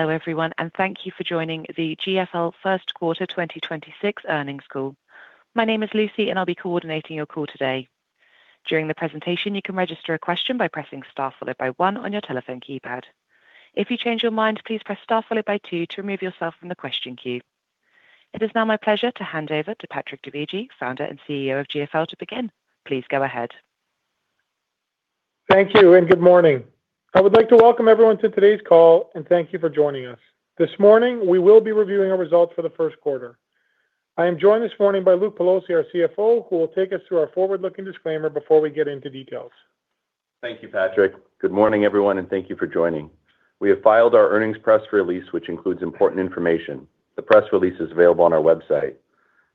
Hello, everyone, and thank you for joining the GFL First Quarter 2026 earnings call. My name is Lucy, and I'll be coordinating your call today. During the presentation you can register a question by pressing star followed by one on your telephone keypad. If you change your mind press star followed by two to remove yourself from the question queue. It is now my pleasure to hand over to Patrick Dovigi, Founder and CEO of GFL, to begin. Please go ahead. Thank you. Good morning. I would like to welcome everyone to today's call and thank you for joining us. This morning, we will be reviewing our results for the first quarter. I am joined this morning by Luke Pelosi, our CFO, who will take us through our forward-looking disclaimer before we get into details. Thank you, Patrick. Good morning, everyone, and thank you for joining. We have filed our earnings press release, which includes important information. The press release is available on our website.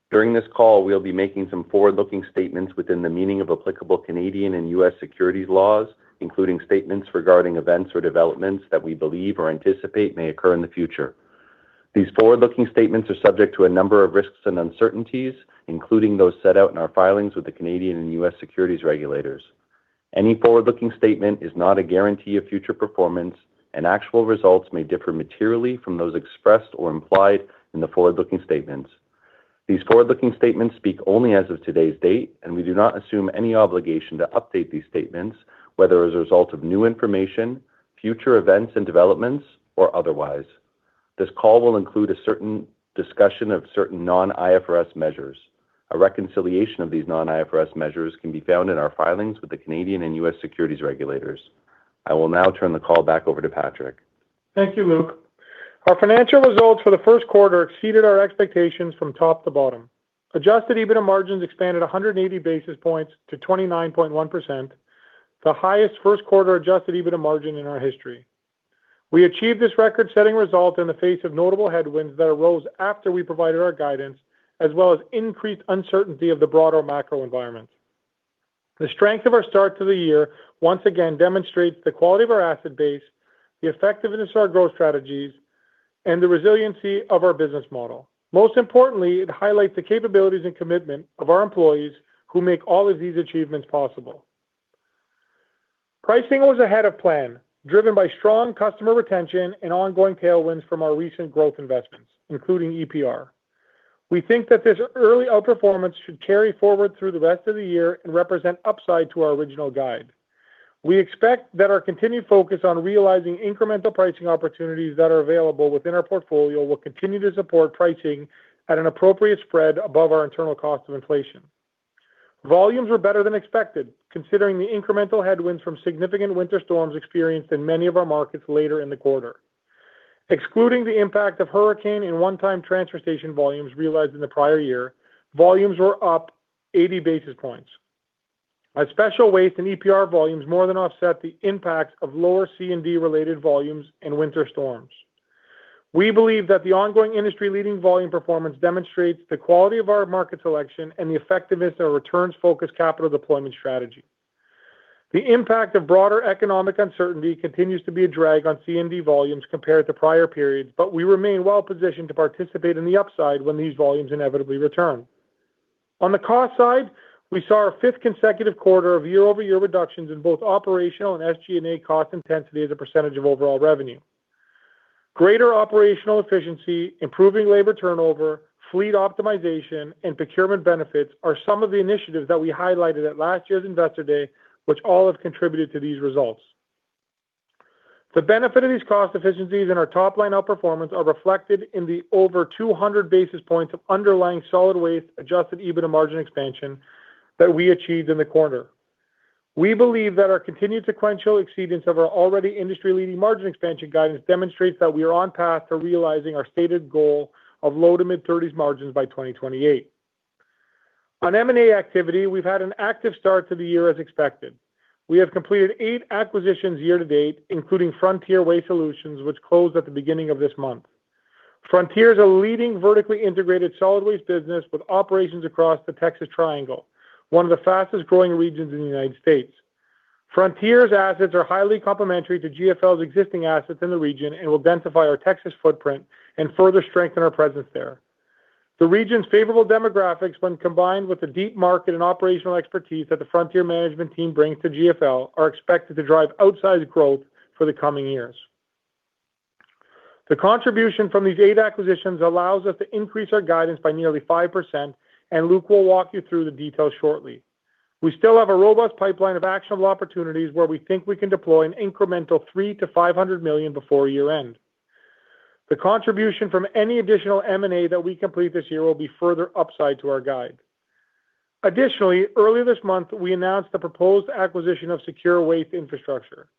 During this call, we'll be making some forward-looking statements within the meaning of applicable Canadian and U.S. securities laws, including statements regarding events or developments that we believe or anticipate may occur in the future. These forward-looking statements are subject to a number of risks and uncertainties, including those set out in our filings with the Canadian and U.S. securities regulators. Any forward-looking statement is not a guarantee of future performance, and actual results may differ materially from those expressed or implied in the forward-looking statements. These forward-looking statements speak only as of today's date, and we do not assume any obligation to update these statements, whether as a result of new information, future events and developments, or otherwise. This call will include a certain discussion of certain non-IFRS measures. A reconciliation of these non-IFRS measures can be found in our filings with the Canadian and U.S. securities regulators. I will now turn the call back over to Patrick. Thank you, Luke. Our financial results for the first quarter exceeded our expectations from top to bottom. Adjusted EBITDA margins expanded 180 basis points to 29.1%, the highest first quarter Adjusted EBITDA margin in our history. We achieved this record-setting result in the face of notable headwinds that arose after we provided our guidance, as well as increased uncertainty of the broader macro environment. The strength of our start to the year once again demonstrates the quality of our asset base, the effectiveness of our growth strategies, and the resiliency of our business model. Most importantly, it highlights the capabilities and commitment of our employees who make all of these achievements possible. Pricing was ahead of plan, driven by strong customer retention and ongoing tailwinds from our recent growth investments, including EPR. We think that this early outperformance should carry forward through the rest of the year and represent upside to our original guide. We expect that our continued focus on realizing incremental pricing opportunities that are available within our portfolio will continue to support pricing at an appropriate spread above our internal cost of inflation. Volumes were better than expected, considering the incremental headwinds from significant winter storms experienced in many of our markets later in the quarter. Excluding the impact of hurricane and one-time transfer station volumes realized in the prior year, volumes were up 80 basis points. Our special waste and EPR volumes more than offset the impact of lower C&D-related volumes and winter storms. We believe that the ongoing industry-leading volume performance demonstrates the quality of our market selection and the effectiveness of our returns-focused capital deployment strategy. The impact of broader economic uncertainty continues to be a drag on C&D volumes compared to prior periods, but we remain well-positioned to participate in the upside when these volumes inevitably return. On the cost side, we saw our fifth consecutive quarter of year-over-year reductions in both operational and SG&A cost intensity as a percentage of overall revenue. Greater operational efficiency, improving labor turnover, fleet optimization, and procurement benefits are some of the initiatives that we highlighted at last year's Investor Day, which all have contributed to these results. The benefit of these cost efficiencies in our top-line outperformance are reflected in the over 200 basis points of underlying solid waste Adjusted EBITDA margin expansion that we achieved in the quarter. We believe that our continued sequential exceedance of our already industry-leading margin expansion guidance demonstrates that we are on path to realizing our stated goal of low-to-mid-thirties margins by 2028. On M&A activity, we've had an active start to the year as expected. We have completed 8 acquisitions year to date, including Frontier Waste Solutions, which closed at the beginning of this month. Frontier is a leading vertically integrated solid waste business with operations across the Texas Triangle, one of the fastest-growing regions in the United States. Frontier's assets are highly complementary to GFL's existing assets in the region and will densify our Texas footprint and further strengthen our presence there. The region's favorable demographics, when combined with the deep market and operational expertise that the Frontier management team brings to GFL, are expected to drive outsized growth for the coming years. The contribution from these eight acquisitions allows us to increase our guidance by nearly 5%, and Luke Pelosi will walk you through the details shortly. We still have a robust pipeline of actionable opportunities where we think we can deploy an incremental 300 million-500 million before year-end. The contribution from any additional M&A that we complete this year will be further upside to our guide. Additionally, earlier this month, we announced the proposed acquisition of SECURE Waste Infrastructure.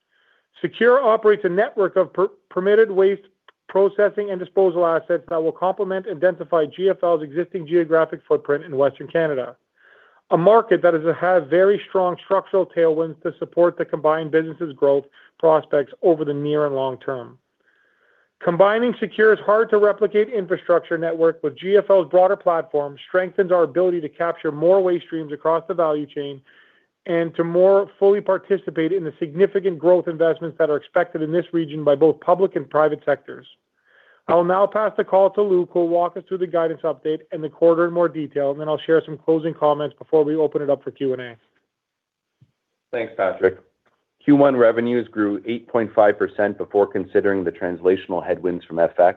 SECURE operates a network of per-permitted waste processing and disposal assets that will complement and densify GFL's existing geographic footprint in Western Canada, a market that has very strong structural tailwinds to support the combined businesses' growth prospects over the near and long term. Combining SECURE's hard-to-replicate infrastructure network with GFL's broader platform strengthens our ability to capture more waste streams across the value chain and to more fully participate in the significant growth investments that are expected in this region by both public and private sectors. I will now pass the call to Luke, who will walk us through the guidance update and the quarter in more detail, and then I'll share some closing comments before we open it up for Q&A. Thanks, Patrick. Q1 revenues grew 8.5% before considering the translational headwinds from FX,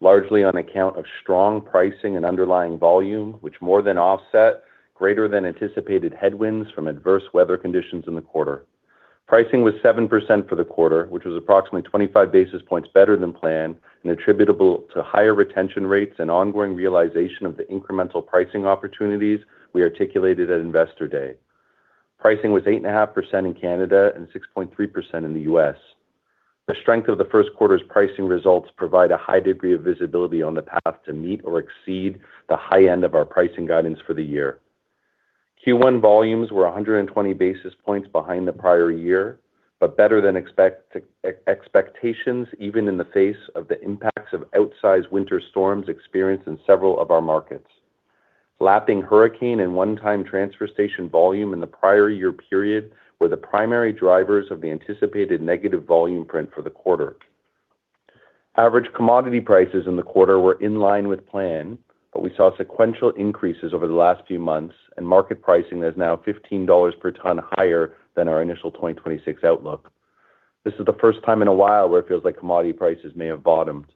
largely on account of strong pricing and underlying volume, which more more than offset greater than anticipated headwinds from adverse weather conditions in the quarter. Pricing was 7% for the quarter, which was approximately 25 basis points better than planned and attributable to higher retention rates and ongoing realization of the incremental pricing opportunities we articulated at Investor Day. Pricing was 8.5% in Canada and 6.3% in the U.S. The strength of the first quarter's pricing results provide a high degree of visibility on the path to meet or exceed the high end of our pricing guidance for the year. Q1 volumes were 120 basis points behind the prior year, better than expectations even in the face of the impacts of outsized winter storms experienced in several of our markets. Lapping hurricane and one-time transfer station volume in the prior year period were the primary drivers of the anticipated negative volume print for the quarter. Average commodity prices in the quarter were in line with plan, we saw sequential increases over the last few months and market pricing that is now 15 dollars per ton higher than our initial 2026 outlook. This is the first time in a while where it feels like commodity prices may have bottomed.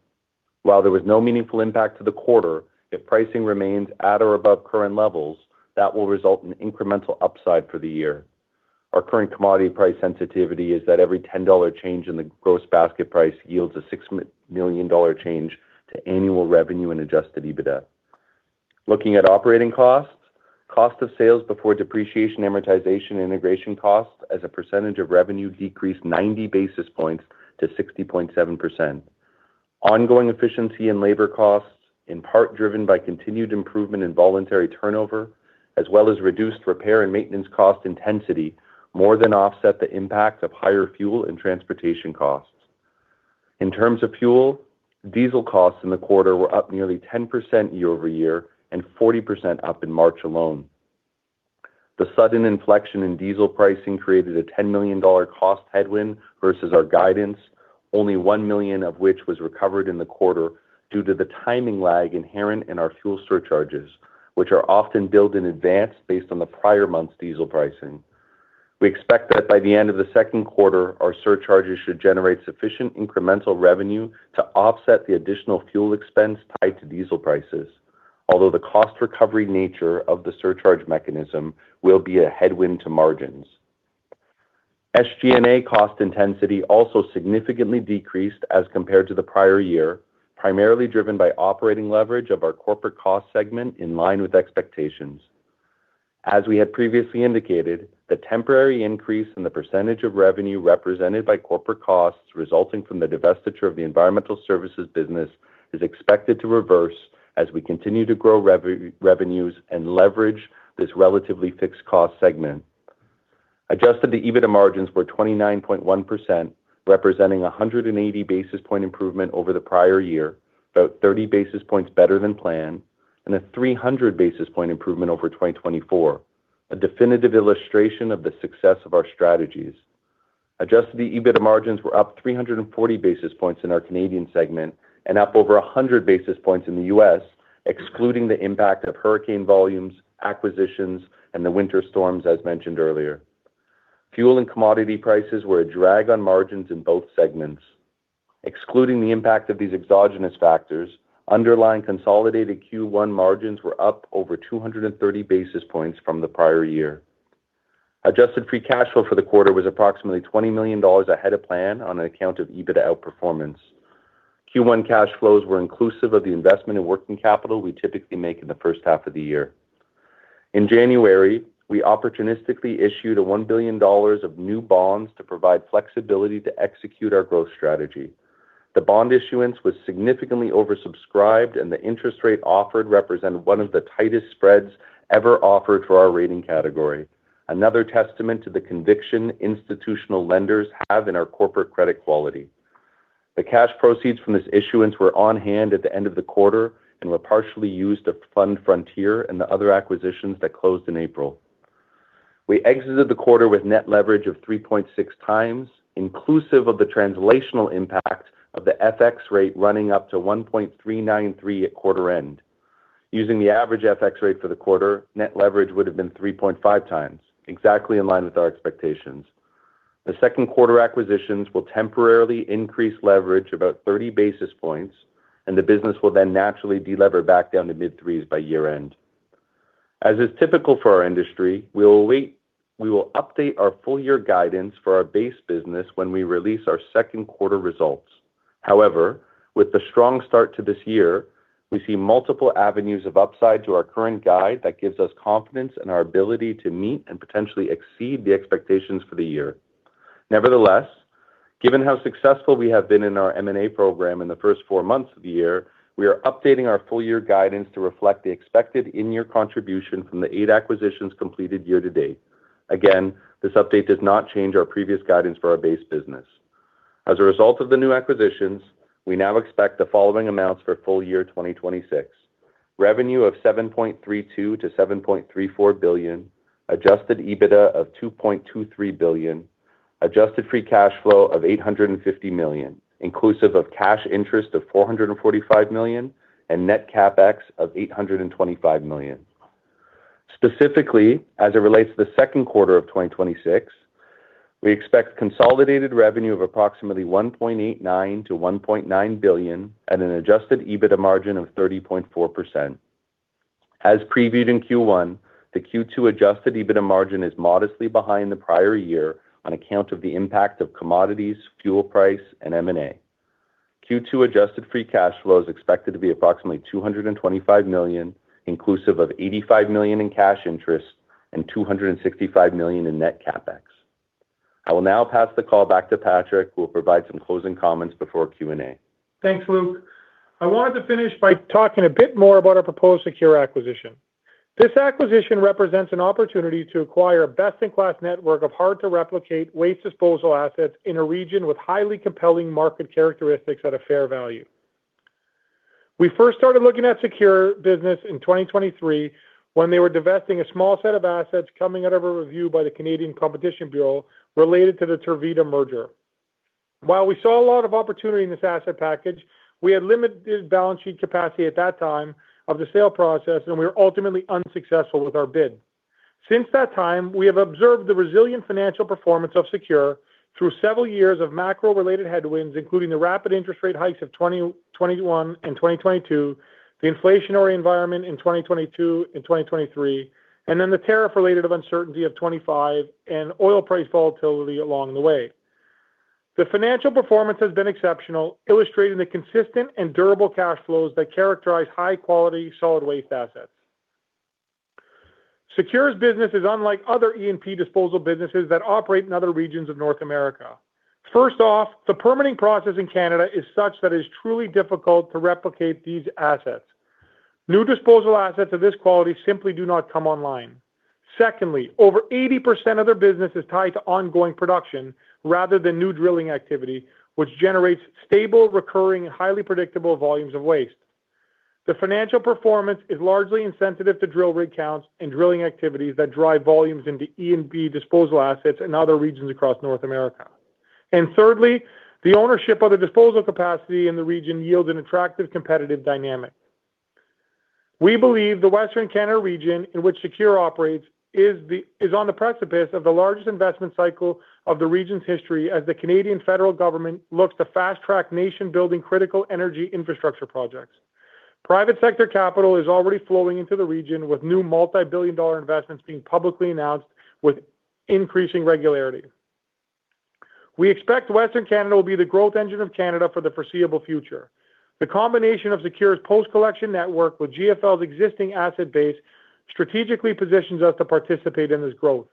While there was no meaningful impact to the quarter, if pricing remains at or above current levels, that will result in incremental upside for the year. Our current commodity price sensitivity is that every 10 dollar change in the gross basket price yields a 6 million dollar change to annual revenue and Adjusted EBITDA. Looking at operating costs, cost of sales before depreciation, amortization, and integration costs as a percentage of revenue decreased 90 basis points to 60.7%. Ongoing efficiency and labor costs, in part driven by continued improvement in voluntary turnover, as well as reduced repair and maintenance cost intensity more than offset the impact of higher fuel and transportation costs. In terms of fuel, diesel costs in the quarter were up nearly 10% year-over-year and 40% up in March alone. The sudden inflection in diesel pricing created a 10 million dollar cost headwind versus our guidance, only 1 million of which was recovered in the quarter due to the timing lag inherent in our fuel surcharges, which are often billed in advance based on the prior month's diesel pricing. We expect that by the end of the second quarter, our surcharges should generate sufficient incremental revenue to offset the additional fuel expense tied to diesel prices. Although the cost recovery nature of the surcharge mechanism will be a headwind to margins. SG&A cost intensity also significantly decreased as compared to the prior year, primarily driven by operating leverage of our corporate cost segment in line with expectations. As we had previously indicated, the temporary increase in the percentage of revenue represented by corporate costs resulting from the divestiture of the Environmental Services business is expected to reverse as we continue to grow revenues and leverage this relatively fixed cost segment. Adjusted EBITDA margins were 29.1%, representing 180 basis point improvement over the prior year, about 30 basis points better than planned and a 300 basis point improvement over 2024, a definitive illustration of the success of our strategies. Adjusted EBITDA margins were up 340 basis points in our Canadian segment and up over 100 basis points in the U.S., excluding the impact of hurricane volumes, acquisitions, and the winter storms as mentioned earlier. Fuel and commodity prices were a drag on margins in both segments. Excluding the impact of these exogenous factors, underlying consolidated Q1 margins were up over 230 basis points from the prior year. Adjusted free cash flow for the quarter was approximately 20 million dollars ahead of plan on account of EBITDA outperformance. Q1 cash flows were inclusive of the investment in working capital we typically make in the first half of the year. In January, we opportunistically issued a 1 billion dollars of new bonds to provide flexibility to execute our growth strategy. The bond issuance was significantly oversubscribed, and the interest rate offered represented one of the tightest spreads ever offered for our rating category. Another testament to the conviction institutional lenders have in our corporate credit quality. The cash proceeds from this issuance were on hand at the end of the quarter and were partially used to fund Frontier and the other acquisitions that closed in April. We exited the quarter with net leverage of 3.6x, inclusive of the translational impact of the FX rate running up to 1.393 at quarter end. Using the average FX rate for the quarter, net leverage would have been 3.5x, exactly in line with our expectations. The second quarter acquisitions will temporarily increase leverage about 30 basis points, and the business will then naturally de-lever back down to mid-3s by year end. As is typical for our industry, we will update our full year guidance for our base business when we release our second quarter results. However, with the strong start to this year, we see multiple avenues of upside to our current guide that gives us confidence in our ability to meet and potentially exceed the expectations for the year. Nevertheless, given how successful we have been in our M&A program in the first four months of the year, we are updating our full year guidance to reflect the expected in-year contribution from the 8 acquisitions completed year to date. Again, this update does not change our previous guidance for our base business. As a result of the new acquisitions, we now expect the following amounts for full year 2026: revenue of 7.32 billion-7.34 billion, Adjusted EBITDA of 2.23 billion. Adjusted free cash flow of 850 million, inclusive of cash interest of 445 million and net CapEx of 825 million. Specifically, as it relates to the second quarter of 2026, we expect consolidated revenue of approximately 1.89 billion-1.9 billion at an Adjusted EBITDA margin of 30.4%. As previewed in Q1, the Q2 Adjusted EBITDA margin is modestly behind the prior year on account of the impact of commodities, fuel price, and M&A. Q2 adjusted free cash flow is expected to be approximately 225 million, inclusive of 85 million in cash interest and 265 million in net CapEx. I will now pass the call back to Patrick, who will provide some closing comments before Q&A. Thanks, Luke. I wanted to finish by talking a bit more about our proposed SECURE acquisition. This acquisition represents an opportunity to acquire a best-in-class network of hard-to-replicate waste disposal assets in a region with highly compelling market characteristics at a fair value. We first started looking at SECURE business in 2023 when they were divesting a small set of assets coming out of a review by the Competition Bureau related to the Tervita merger. While we saw a lot of opportunity in this asset package, we had limited balance sheet capacity at that time of the sale process, and we were ultimately unsuccessful with our bid. Since that time, we have observed the resilient financial performance of SECURE through several years of macro-related headwinds, including the rapid interest rate hikes of 2021 and 2022, the inflationary environment in 2022 and 2023, and then the tariff related of uncertainty of 2025 and oil price volatility along the way. The financial performance has been exceptional, illustrating the consistent and durable cash flows that characterize high-quality solid waste assets. SECURE's business is unlike other E&P disposal businesses that operate in other regions of North America. First off, the permitting process in Canada is such that it is truly difficult to replicate these assets. New disposal assets of this quality simply do not come online. Secondly, over 80% of their business is tied to ongoing production rather than new drilling activity, which generates stable, recurring, highly predictable volumes of waste. The financial performance is largely insensitive to drill rig counts and drilling activities that drive volumes into E&P disposal assets in other regions across North America. Thirdly, the ownership of the disposal capacity in the region yields an attractive competitive dynamic. We believe the Western Canada region in which Secure operates is on the precipice of the largest investment cycle of the region's history as the Canadian federal government looks to fast-track nation-building critical energy infrastructure projects. Private sector capital is already flowing into the region, with new multi-billion dollar investments being publicly announced with increasing regularity. We expect Western Canada will be the growth engine of Canada for the foreseeable future. The combination of Secure's post-collection network with GFL's existing asset base strategically positions us to participate in this growth.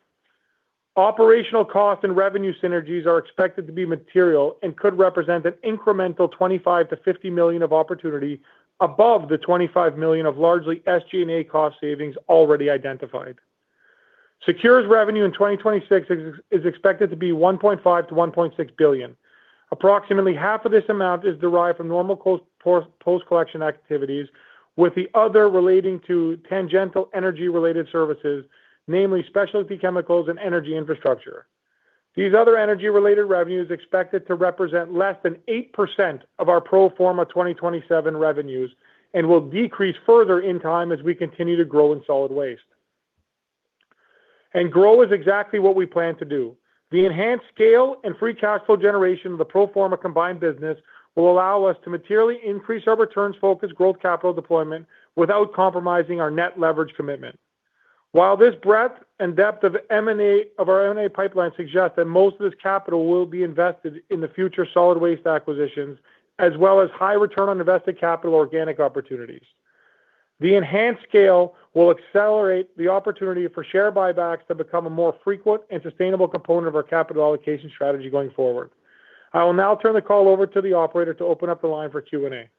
Operational costs and revenue synergies are expected to be material and could represent an incremental 25 million-50 million of opportunity above the 25 million of largely SG&A cost savings already identified. SECURE's revenue in 2026 is expected to be 1.5 billion-1.6 billion. Approximately half of this amount is derived from normal post-collection activities, with the other relating to tangential energy-related services, namely specialty chemicals and energy infrastructure. These other energy-related revenue is expected to represent less than 8% of our pro forma 2027 revenues and will decrease further in time as we continue to grow in solid waste. Grow is exactly what we plan to do. The enhanced scale and free cash flow generation of the pro forma combined business will allow us to materially increase our returns-focused growth capital deployment without compromising our net leverage commitment. While this breadth and depth of our M&A pipeline suggests that most of this capital will be invested in the future solid waste acquisitions, as well as high return on invested capital organic opportunities. The enhanced scale will accelerate the opportunity for share buybacks to become a more frequent and sustainable component of our capital allocation strategy going forward. I will now turn the call over to the operator to open up the line for Q&A.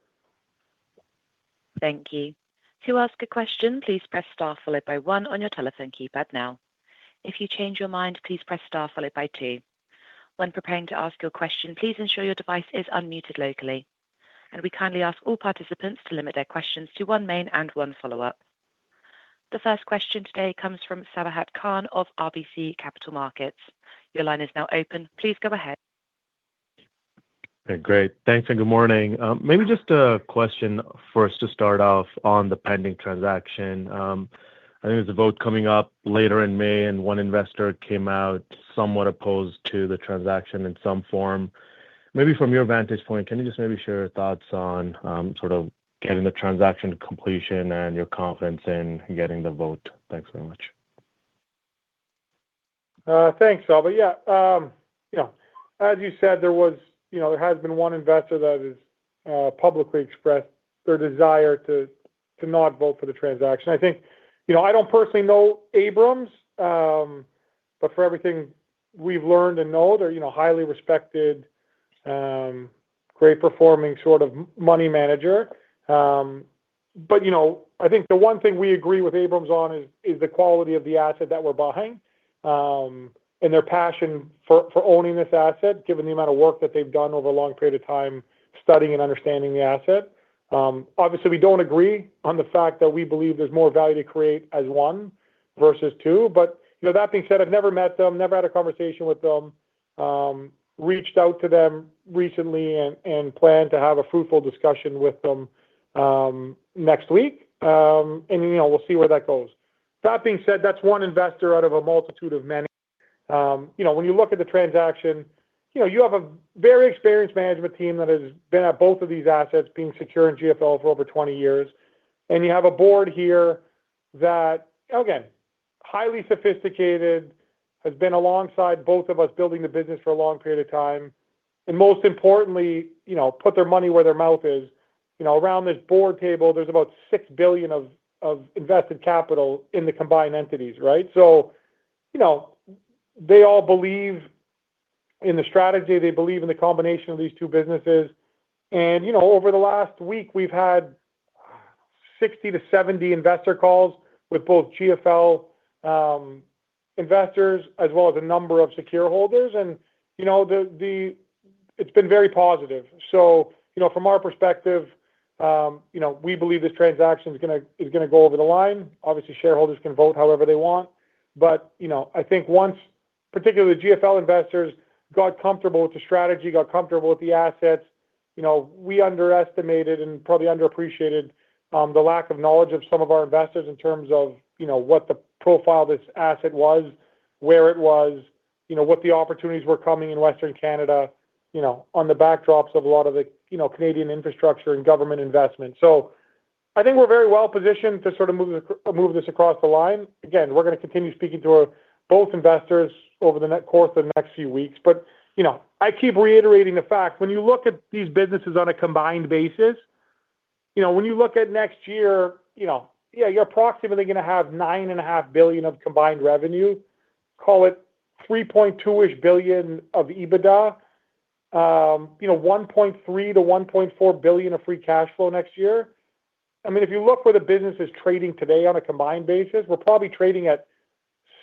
Thank you. To ask a question, please press star followed by one on your telephone keypad now. If you change your mind, please press star followed by two. When preparing to ask your question, please ensure your device is unmuted locally. We kindly ask all participants to limit their questions to one main and one follow-up. The first question today comes from Sabahat Khan of RBC Capital Markets. Your line is now open. Please go ahead. Great. Thanks and good morning. Maybe just a question first to start off on the pending transaction. I think there's a vote coming up later in May, and one investor came out somewhat opposed to the transaction in some form. Maybe from your vantage point, can you just maybe share your thoughts on, sort of getting the transaction to completion and your confidence in getting the vote? Thanks very much. Thanks, Sabahat. Yeah. You know, as you said, there was, you know, there has been one investor that has publicly expressed their desire to not vote for the transaction. I think, you know, I don't personally know Abrams, but for everything we've learned and know, they're, you know, highly respected, great performing sort of money manager. You know, I think the one thing we agree with Abrams on is the quality of the asset that we're buying, and their passion for owning this asset, given the amount of work that they've done over a long period of time studying and understanding the asset. Obviously we don't agree on the fact that we believe there's more value to create as one versus two. You know, that being said, I've never met them, never had a conversation with them. Reached out to them recently and plan to have a fruitful discussion with them next week. You know, we'll see where that goes. That being said, that's one investor out of a multitude of many. You know, when you look at the transaction, you know, you have a very experienced management team that has been at both of these assets, being SECURE in GFL for over 20 years. You have a board here that, again, highly sophisticated, has been alongside both of us building the business for a long period of time. Most importantly, you know, put their money where their mouth is. You know, around this board table, there's about 6 billion of invested capital in the combined entities, right? You know, they all believe in the strategy. They believe in the combination of these two businesses. You know, over the last week, we've had 60 to 70 investor calls with both GFL investors as well as a number of SECURE holders. You know, it's been very positive. You know, from our perspective, you know, we believe this transaction is gonna, is gonna go over the line. Obviously, shareholders can vote however they want. You know, I think once, particularly the GFL investors got comfortable with the strategy, got comfortable with the assets, you know, we underestimated and probably underappreciated the lack of knowledge of some of our investors in terms of, you know, what the profile of this asset was, where it was, you know, what the opportunities were coming in Western Canada, you know, on the backdrops of a lot of the, you know, Canadian infrastructure and government investment. I think we're very well positioned to sort of move this across the line. Again, we're going to continue speaking to both investors over the next course of the next few weeks. You know, I keep reiterating the fact, when you look at these businesses on a combined basis, you know, when you look at next year, you know, yeah, you're approximately going to have 9.5 billion of combined revenue. Call it 3.2 billion of EBITDA. You know, 1.3 billion-1.4 billion of free cash flow next year. I mean, if you look where the business is trading today on a combined basis, we're probably trading at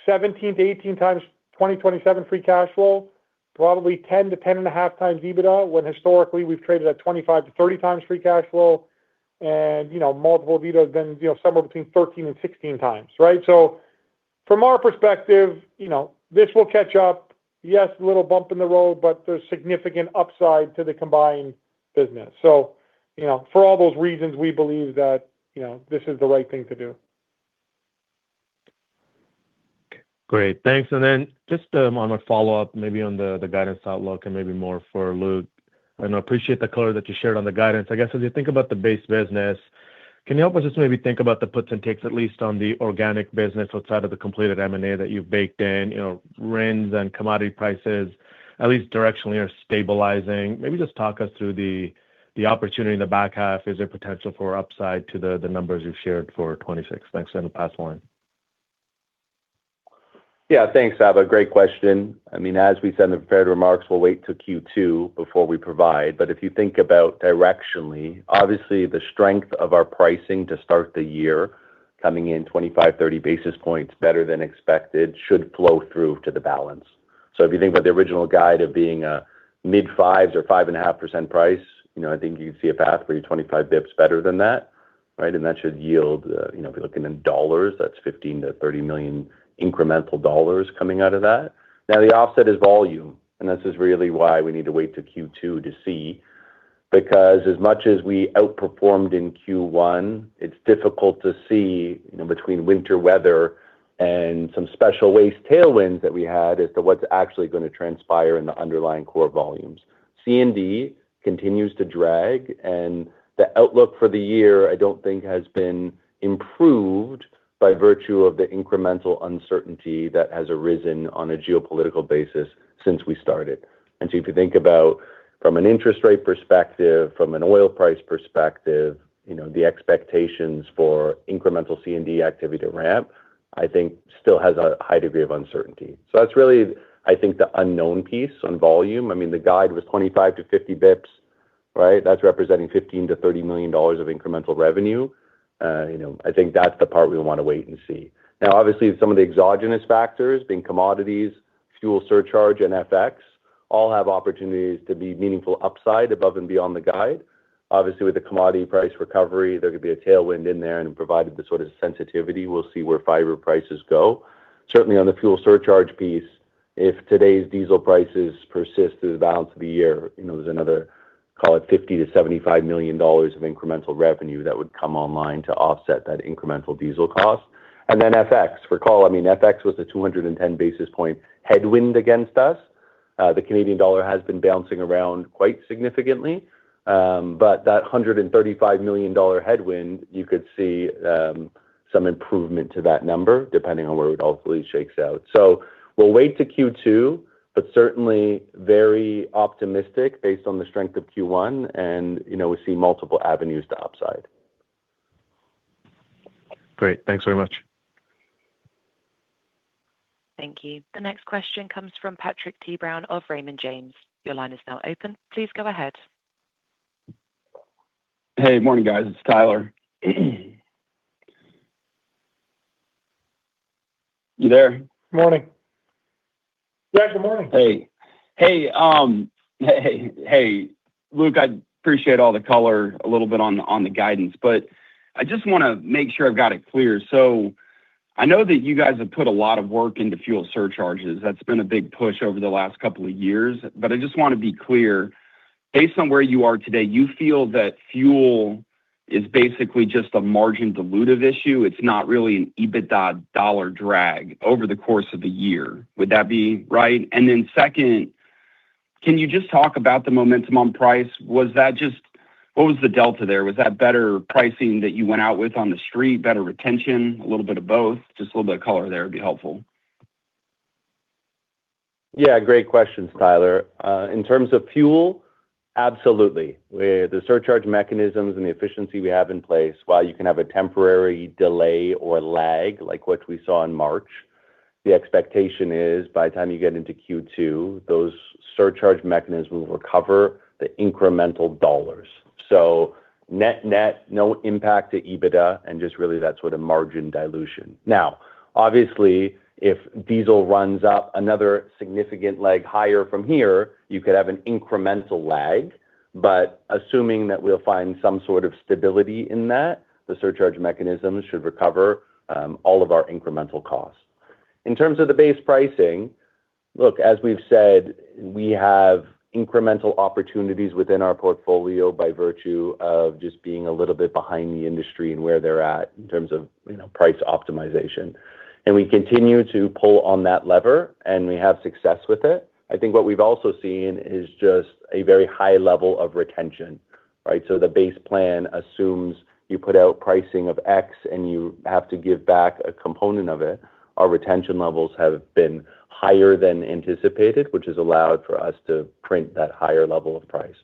17x to 18x 2027 free cash flow, probably 10x to 10.5x EBITDA, when historically we've traded at 25x to 30x free cash flow. You know, multiple EBITDA has been, you know, somewhere between 13x to 16x, right? From our perspective, you know, this will catch up. Yes, a little bump in the road, but there's significant upside to the combined business. You know, for all those reasons, we believe that, you know, this is the right thing to do. Great. Thanks. Then just on a follow-up, maybe on the guidance outlook and maybe more for Luke. I appreciate the color that you shared on the guidance. I guess, as you think about the base business, can you help us just maybe think about the puts and takes, at least on the organic business outside of the completed M&A that you've baked in? You know, RINs and commodity prices, at least directionally, are stabilizing. Maybe just talk us through the opportunity in the back half. Is there potential for upside to the numbers you've shared for 2026? Thanks. I'll pass the line. Thanks, Sabahat Khan. Great question. I mean, as we said in the prepared remarks, we will wait till Q2 before we provide. If you think about directionally, obviously the strength of our pricing to start the year coming in 25, 30 basis points better than expected should flow through to the balance. If you think about the original guide of being a mid-5s or 5.5% price, you know, I think you would see a path where you are 25 basis points better than that, right? That should yield, you know, if you are looking in dollars, that is 15 million-30 million incremental dollars coming out of that. The offset is volume, and this is really why we need to wait till Q2 to see. As much as we outperformed in Q1, it's difficult to see, you know, between winter weather and some special waste tailwinds that we had as to what's actually gonna transpire in the underlying core volumes. C&D continues to drag, the outlook for the year I don't think has been improved by virtue of the incremental uncertainty that has arisen on a geopolitical basis since we started. If you think about from an interest rate perspective, from an oil price perspective, you know, the expectations for incremental C&D activity to ramp, I think still has a high degree of uncertainty. That's really, I think, the unknown piece on volume. I mean, the guide was 25 to 50 basis points, right? That's representing 15 million-30 million dollars of incremental revenue. You know, I think that's the part we wanna wait and see. Obviously, some of the exogenous factors, being commodities, fuel surcharge, and FX, all have opportunities to be meaningful upside above and beyond the guide. Obviously, with the commodity price recovery, there could be a tailwind in there, and provided the sort of sensitivity, we'll see where fiber prices go. Certainly on the fuel surcharge piece, if today's diesel prices persist through the balance of the year, you know, there's another, call it 50 million-75 million dollars of incremental revenue that would come online to offset that incremental diesel cost. FX. Recall, I mean, FX was a 210 basis point headwind against us. The Canadian dollar has been bouncing around quite significantly. That CAD 135 million headwind, you could see some improvement to that number, depending on where it ultimately shakes out. We'll wait till Q2, but certainly very optimistic based on the strength of Q1, and, you know, we see multiple avenues to upside. Great. Thanks very much. Thank you. The next question comes from Patrick T. Brown of Raymond James. Your line is now open. Please go ahead. Hey, morning guys. It's Tyler. You there? Morning. Yeah, good morning. Hey, hey, Luke, I appreciate all the color a little bit on the guidance, but I just want to make sure I've got it clear. I know that you guys have put a lot of work into fuel surcharges. That's been a big push over the last couple of years, but I just want to be clear, based on where you are today, you feel that fuel is basically just a margin dilutive issue. It's not really an EBITDA dollar drag over the course of the year. Would that be right? Second, can you just talk about the momentum on price? What was the delta there? Was that better pricing that you went out with on the street, better retention, a little bit of both? Just a little bit of color there would be helpful. Yeah, great questions, Tyler. In terms of fuel, absolutely. With the surcharge mechanisms and the efficiency we have in place, while you can have a temporary delay or lag, like what we saw in March, the expectation is by the time you get into Q2, those surcharge mechanisms will recover the incremental dollars. Net, net, no impact to EBITDA and just really that sort of margin dilution. Now, obviously, if diesel runs up another significant leg higher from here, you could have an incremental lag. Assuming that we'll find some sort of stability in that, the surcharge mechanisms should recover all of our incremental costs. In terms of the base pricing, look, as we've said, we have incremental opportunities within our portfolio by virtue of just being a little bit behind the industry and where they're at in terms of, you know, price optimization. We continue to pull on that lever, and we have success with it. I think what we've also seen is just a very high level of retention, right? The base plan assumes you put out pricing of X and you have to give back a component of it. Our retention levels have been higher than anticipated, which has allowed for us to print that higher level of price.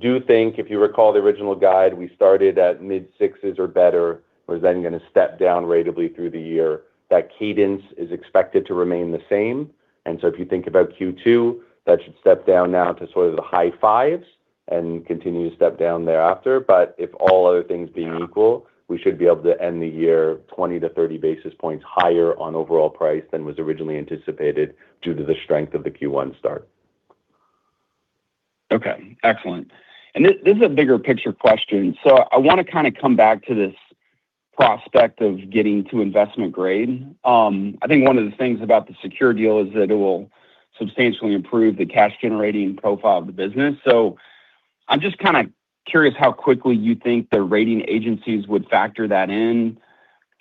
Do think, if you recall the original guide, we started at mid-6s or better, was then gonna step down ratably through the year. That cadence is expected to remain the same. If you think about Q2, that should step down now to sort of the high 5s and continue to step down thereafter. If all other things being equal, we should be able to end the year 20 to 30 basis points higher on overall price than was originally anticipated due to the strength of the Q1 start. Okay, excellent. This is a bigger picture question, I wanna kinda come back to this prospect of getting to investment grade. I think one of the things about the SECURE deal is that it will substantially improve the cash generating profile of the business. I'm just kinda curious how quickly you think the rating agencies would factor that in.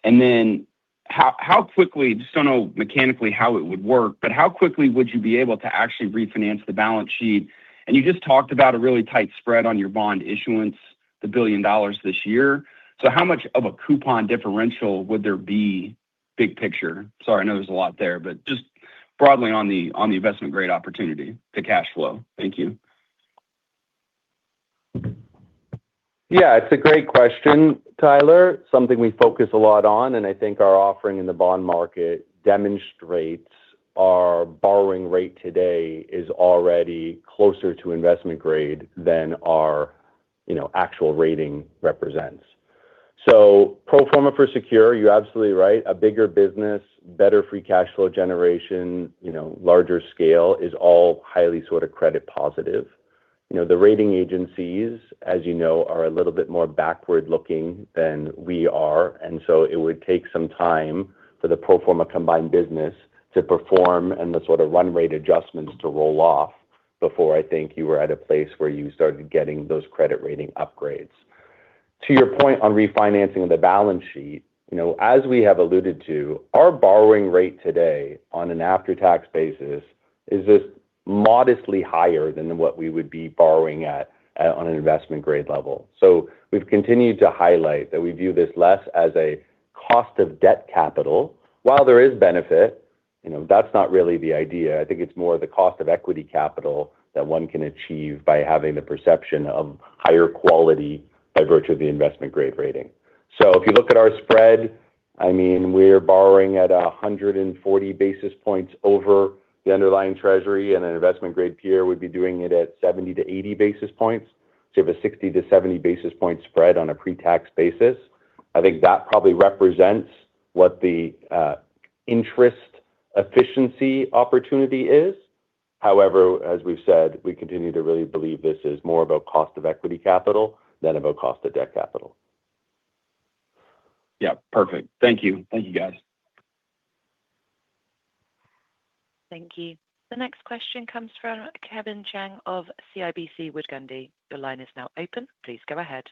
Then how quickly, just don't know mechanically how it would work, but how quickly would you be able to actually refinance the balance sheet? You just talked about a really tight spread on your bond issuance, the 1 billion dollars this year. How much of a coupon differential would there be big picture? Sorry, I know there's a lot there, but just broadly on the investment grade opportunity to cash flow. Thank you. It's a great question, Tyler. Something we focus a lot on, and I think our offering in the bond market demonstrates our borrowing rate today is already closer to investment grade than our, you know, actual rating represents. Pro forma for SECURE, you're absolutely right. A bigger business, better free cash flow generation, you know, larger scale is all highly sort of credit positive. You know, the rating agencies, as you know, are a little bit more backward-looking than we are, and so it would take some time for the pro forma combined business to perform and the sort of run rate adjustments to roll off before I think you were at a place where you started getting those credit rating upgrades. To your point on refinancing the balance sheet, you know, as we have alluded to, our borrowing rate today on an after-tax basis is just modestly higher than what we would be borrowing at on an investment grade level. We've continued to highlight that we view this less as a cost of debt capital. While there is benefit, you know, that's not really the idea. I think it's more the cost of equity capital that one can achieve by having the perception of higher quality by virtue of the investment grade rating. If you look at our spread, I mean, we're borrowing at 140 basis points over the underlying treasury, and an investment grade peer would be doing it at 70-80 basis points. You have a 60-70 basis point spread on a pre-tax basis. I think that probably represents what the interest efficiency opportunity is. As we've said, we continue to really believe this is more of a cost of equity capital than of a cost of debt capital. Yeah, perfect. Thank you. Thank you, guys. Thank you. The next question comes from Kevin Chiang of CIBC Capital Markets. Your line is now open. Please go ahead.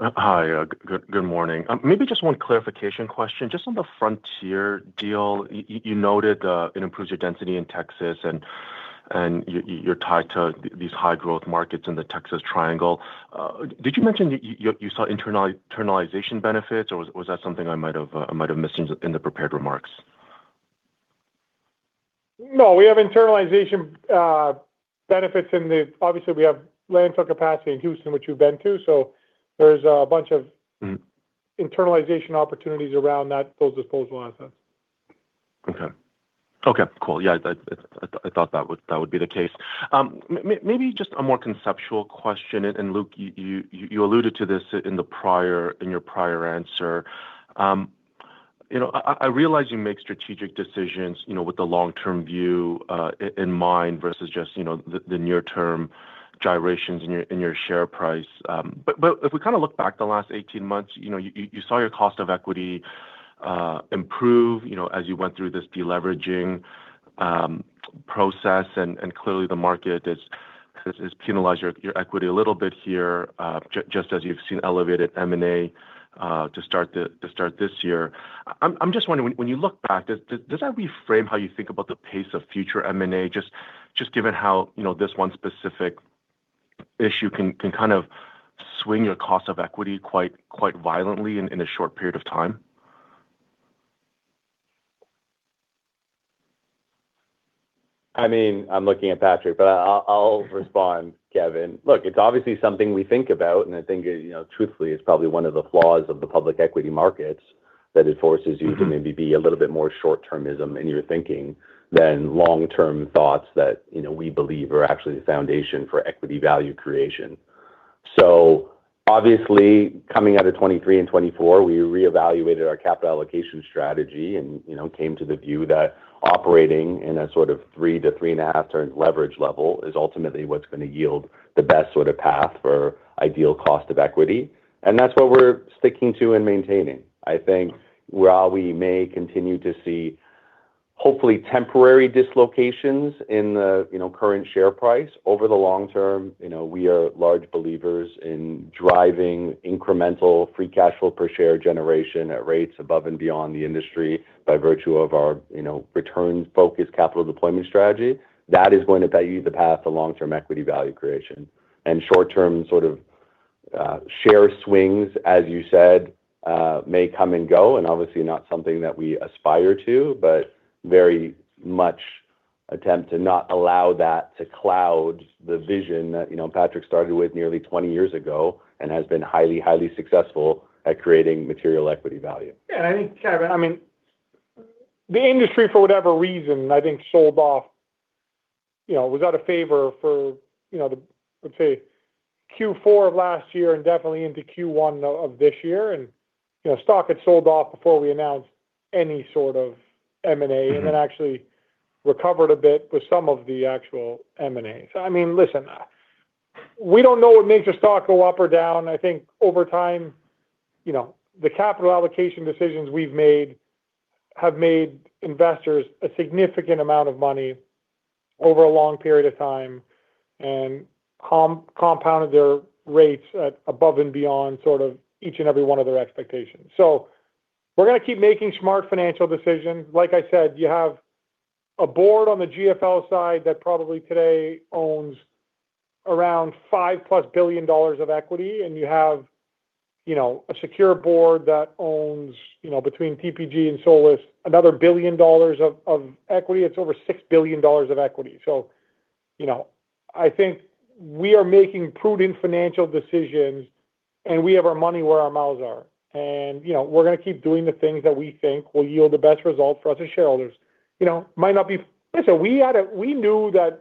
Hi. Good morning. Maybe just one clarification question. Just on the Frontier deal, you noted it improves your density in Texas, and you're tied to these high growth markets in the Texas triangle. Did you mention that you saw internalization benefits, or was that something I might have missed in the prepared remarks? No, we have internalization, benefits obviously, we have landfill capacity in Houston, which you've been to. Mm-hmm... internalization opportunities around that, those disposal assets Okay. Okay, cool. Yeah, I thought that would be the case. Maybe just a more conceptual question, and Luke, you alluded to this in your prior answer. You know, I realize you make strategic decisions, you know, with the long-term view in mind versus just, you know, the near term gyrations in your share price. But if we kind of look back the last 18 months, you know, you saw your cost of equity improve, you know, as you went through this deleveraging process. Clearly the market has penalized your equity a little bit here, just as you've seen elevated M&A to start this year. I'm just wondering, when you look back, does that reframe how you think about the pace of future M&A? Just given how, you know, this one specific issue can kind of swing your cost of equity quite violently in a short period of time. I mean, I'm looking at Patrick, but I'll respond, Kevin. Look, it's obviously something we think about, and I think, you know, truthfully, it's probably one of the flaws of the public equity markets that it forces you. Mm-hmm... to maybe be a little bit more short-termism in your thinking than long-term thoughts that, you know, we believe are actually the foundation for equity value creation. Obviously, coming out of 2023 and 2024, we reevaluated our capital allocation strategy and, you know, came to the view that operating in a sort of three to 3.5 turns leverage level is ultimately what's going to yield the best sort of path for ideal cost of equity. That's what we're sticking to and maintaining. I think while we may continue to see hopefully temporary dislocations in the, you know, current share price over the long term, you know, we are large believers in driving incremental free cash flow per share generation at rates above and beyond the industry by virtue of our, you know, returns-focused capital deployment strategy. That is going to pave the path to long-term equity value creation. Short-term sort of share swings, as you said, may come and go, and obviously not something that we aspire to, but very much attempt to not allow that to cloud the vision that, you know, Patrick started with nearly 20 years ago and has been highly successful at creating material equity value. Yeah, I think, Kevin, I mean, the industry, for whatever reason, I think sold off, you know, was out of favor for, you know, the, let's say, Q4 of last year and definitely into Q1 of this year. You know, stock had sold off before we announced any sort of M&A- Mm-hmm Actually recovered a bit with some of the actual M&A. I mean, listen, we don't know what makes a stock go up or down. I think over time, you know, the capital allocation decisions we've made have made investors a significant amount of money over a long period of time and compounded their rates at above and beyond sort of each and every one of their expectations. We're gonna keep making smart financial decisions. Like I said, you have a board on the GFL side that probably today owns around 5+ billion dollars of equity, and you have, you know, a SECURE board that owns, you know, between PPG and Solus, another 1 billion dollars of equity. It's over 6 billion dollars of equity. You know, I think we are making prudent financial decisions, and we have our money where our mouths are. You know, we're gonna keep doing the things that we think will yield the best results for us as shareholders. You know, might not be. Listen, we knew that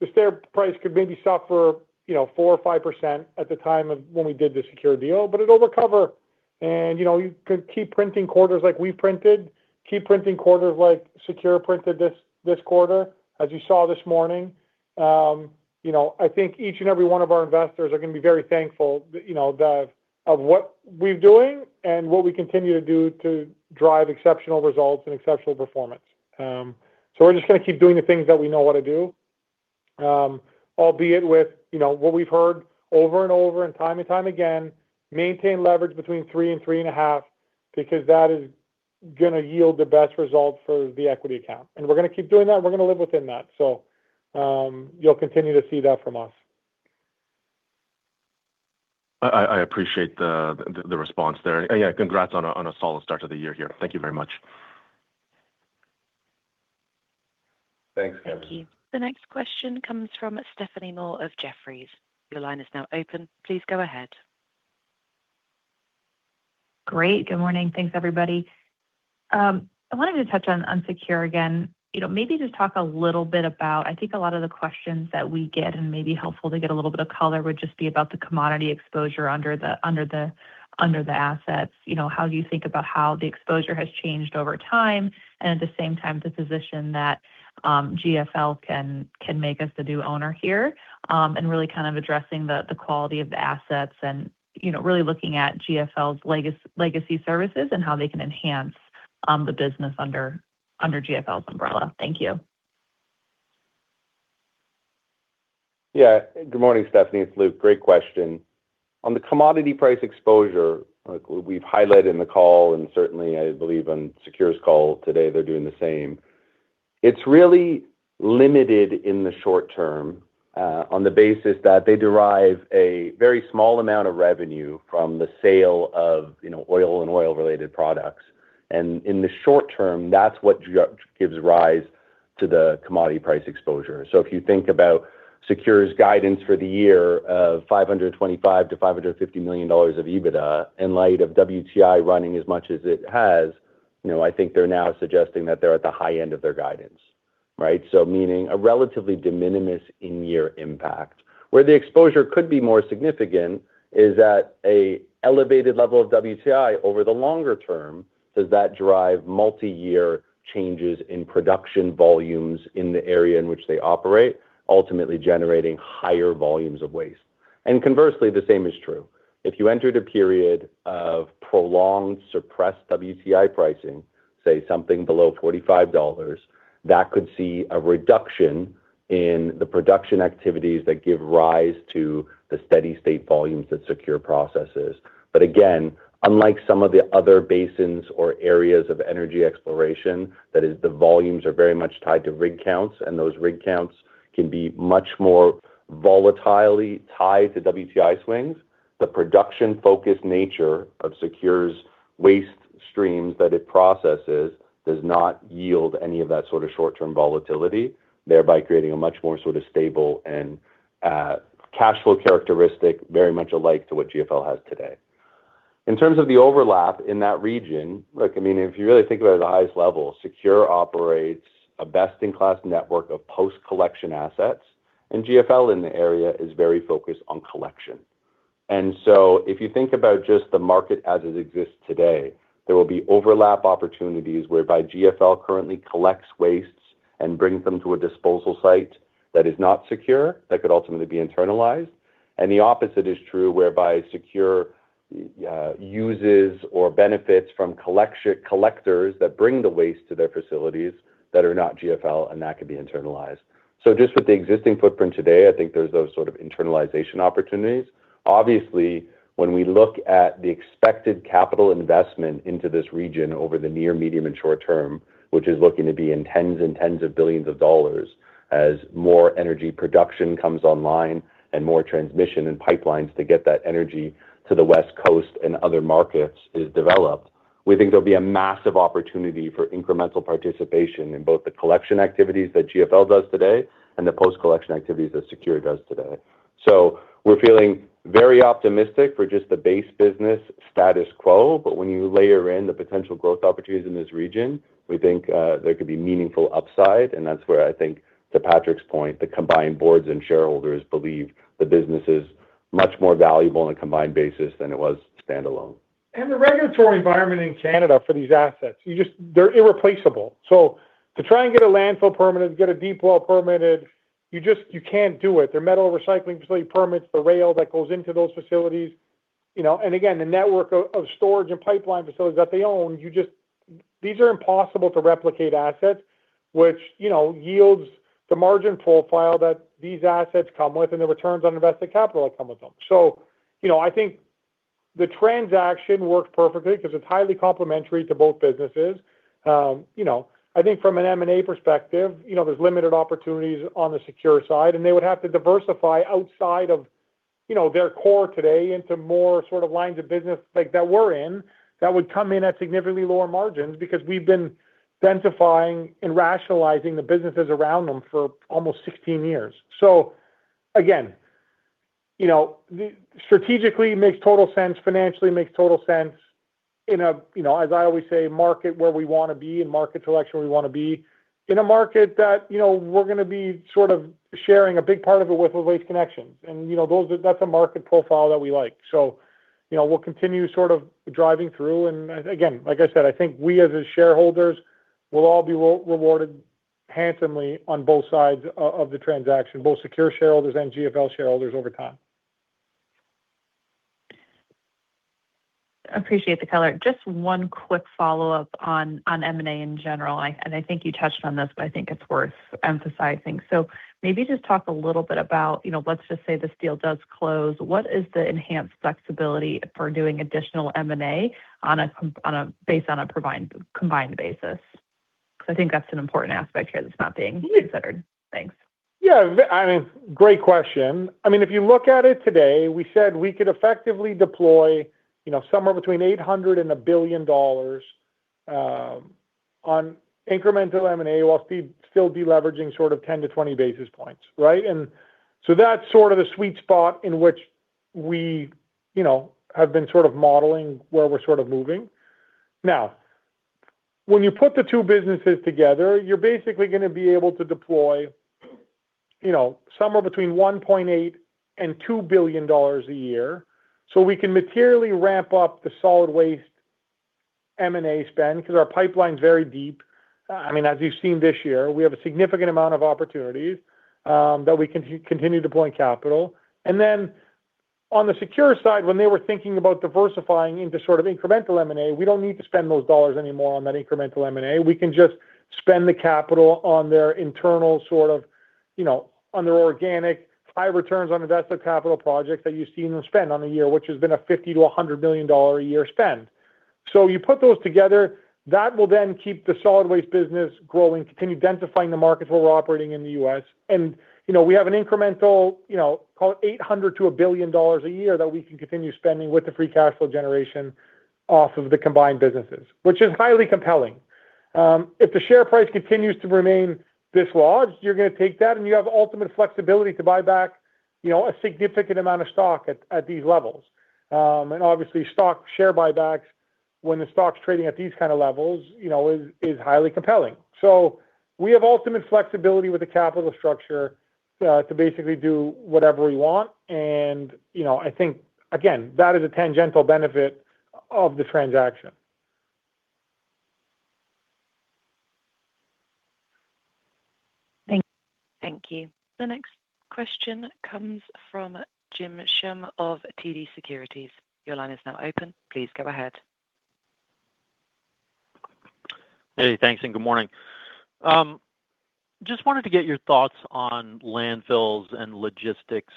the share price could maybe suffer, you know, 4% or 5% at the time of when we did the SECURE deal, but it'll recover. You know, you could keep printing quarters like we printed, keep printing quarters like SECURE printed this quarter, as you saw this morning. You know, I think each and every one of our investors are gonna be very thankful, you know, that of what we're doing and what we continue to do to drive exceptional results and exceptional performance. We're just gonna keep doing the things that we know how to do. Albeit with, you know, what we have heard over and over and time and time again, maintain leverage between 3 and 3.5, because that is gonna yield the best results for the equity account. We're gonna keep doing that, and we're gonna live within that. You'll continue to see that from us. I appreciate the response there. Congrats on a solid start to the year here. Thank you very much. Thanks, Kevin. Thank you. The next question comes from Stephanie Moore of Jefferies. Your line is now open. Please go ahead. Great. Good morning. Thanks, everybody. I wanted to touch on SECURE again. You know, maybe just talk a little bit about, I think a lot of the questions that we get, and may be helpful to get a little bit of color, would just be about the commodity exposure under the assets. You know, how you think about how the exposure has changed over time and at the same time, the position that GFL can make as the new owner here, and really kind of addressing the quality of the assets and, you know, really looking at GFL's legacy services and how they can enhance the business under GFL's umbrella. Thank you. Good morning, Stephanie. It's Luke. Great question. On the commodity price exposure, like we've highlighted in the call and certainly I believe on SECURE's call today, they're doing the same. It's really limited in the short term, on the basis that they derive a very small amount of revenue from the sale of, you know, oil and oil-related products. In the short term, that's what gives rise to the commodity price exposure. If you think about SECURE's guidance for the year of 525 million-550 million dollars of EBITDA in light of WTI running as much as it has, you know, I think they're now suggesting that they're at the high end of their guidance, right? Meaning a relatively de minimis in-year impact. Where the exposure could be more significant is at an elevated level of WTI over the longer term, does that drive multi-year changes in production volumes in the area in which they operate, ultimately generating higher volumes of waste? Conversely, the same is true. If you entered a period of prolonged suppressed WTI pricing, say something below $45, that could see a reduction in the production activities that give rise to the steady state volumes that SECURE processes. Again, unlike some of the other basins or areas of energy exploration, that is the volumes are very much tied to rig counts, and those rig counts can be much more volatilely tied to WTI swings. The production-focused nature of SECURE's waste streams that it processes does not yield any of that sort of short-term volatility, thereby creating a much more sort of stable and cash flow characteristic very much alike to what GFL has today. In terms of the overlap in that region, look, I mean, if you really think about it at the highest level, SECURE operates a best-in-class network of post-collection assets, and GFL in the area is very focused on collection. If you think about just the market as it exists today, there will be overlap opportunities whereby GFL currently collects wastes and brings them to a disposal site that is not SECURE, that could ultimately be internalized. The opposite is true, whereby SECURE uses or benefits from collectors that bring the waste to their facilities that are not GFL, and that could be internalized. Just with the existing footprint today, I think there's those sort of internalization opportunities. Obviously, when we look at the expected capital investment into this region over the near, medium, and short term, which is looking to be in tens and tens of billions of dollrs as more energy production comes online and more transmission and pipelines to get that energy to the West Coast and other markets is developed, we think there'll be a massive opportunity for incremental participation in both the collection activities that GFL does today and the post-collection activities that SECURE does today. We're feeling very optimistic for just the base business status quo. When you layer in the potential growth opportunities in this region, we think there could be meaningful upside, and that's where I think to Patrick's point, the combined boards and shareholders believe the business is much more valuable on a combined basis than it was standalone. The regulatory environment in Canada for these assets, you just, they're irreplaceable. To try and get a landfill permitted, to get a deep well permitted, you just, you can't do it. Their metal recycling facility permits the rail that goes into those facilities. You know, again, the network of storage and pipeline facilities that they own, you just, these are impossible to replicate assets, which, you know, yields the margin profile that these assets come with and the returns on invested capital that come with them. You know, I think the transaction worked perfectly because it's highly complementary to both businesses. You know, I think from an M&A perspective, you know, there's limited opportunities on the SECURE side, and they would have to diversify outside of, you know, their core today into more sort of lines of business like that we're in that would come in at significantly lower margins because we've been densifying and rationalizing the businesses around them for almost 16 years. Again, you know, strategically makes total sense, financially makes total sense in a, you know, as I always say, market where we wanna be and market selection where we wanna be. In a market that, you know, we're gonna be sort of sharing a big part of it with Waste Connections. You know, that's a market profile that we like. you know, we'll continue sort of driving through and, again, like I said, I think we as the shareholders will all be re-rewarded handsomely on both sides of the transaction, both SECURE shareholders and GFL shareholders over time. Appreciate the color. Just one quick follow-up on M&A in general. I think you touched on this, but I think it's worth emphasizing. Maybe just talk a little bit about, you know, let's just say this deal does close. What is the enhanced flexibility for doing additional M&A on a combined basis? I think that's an important aspect here that's not being considered. Thanks. Great question. I mean, if you look at it today, we said we could effectively deploy, you know, somewhere between 800 million and 1 billion dollars on incremental M&A while still de-leveraging sort of 10 to 20 basis points, right. That's sort of the sweet spot in which we, you know, have been sort of modeling where we're sort of moving. When you put the two businesses together, you're basically going to be able to deploy, you know, somewhere between 1.8 billion and 2 billion dollars a year. We can materially ramp up the solid waste M&A spend because our pipeline's very deep. I mean, as you've seen this year, we have a significant amount of opportunities that we can continue deploying capital. On the SECURE side, when they were thinking about diversifying into sort of incremental M&A, we don't need to spend those dollars anymore on that incremental M&A. We can just spend the capital on their internal sort of, you know, on their organic high returns on invested capital projects that you've seen them spend on the year, which has been a 50 million-100 million dollar a year spend. You put those together, that will keep the solid waste business growing, continue densifying the markets where we're operating in the U.S. You know, we have an incremental, you know, call it 800 million to 1 billion dollars a year that we can continue spending with the free cash flow generation off of the combined businesses, which is highly compelling. If the share price continues to remain this large, you're gonna take that, and you have ultimate flexibility to buy back, you know, a significant amount of stock at these levels. And obviously stock share buybacks when the stock's trading at these kind of levels, you know, is highly compelling. We have ultimate flexibility with the capital structure to basically do whatever we want. You know, I think, again, that is a tangential benefit of the transaction. Thank you. The next question comes from James Schumm of TD Cowen. Your line is now open. Please go ahead. Hey, thanks, and good morning. Just wanted to get your thoughts on landfills and logistics.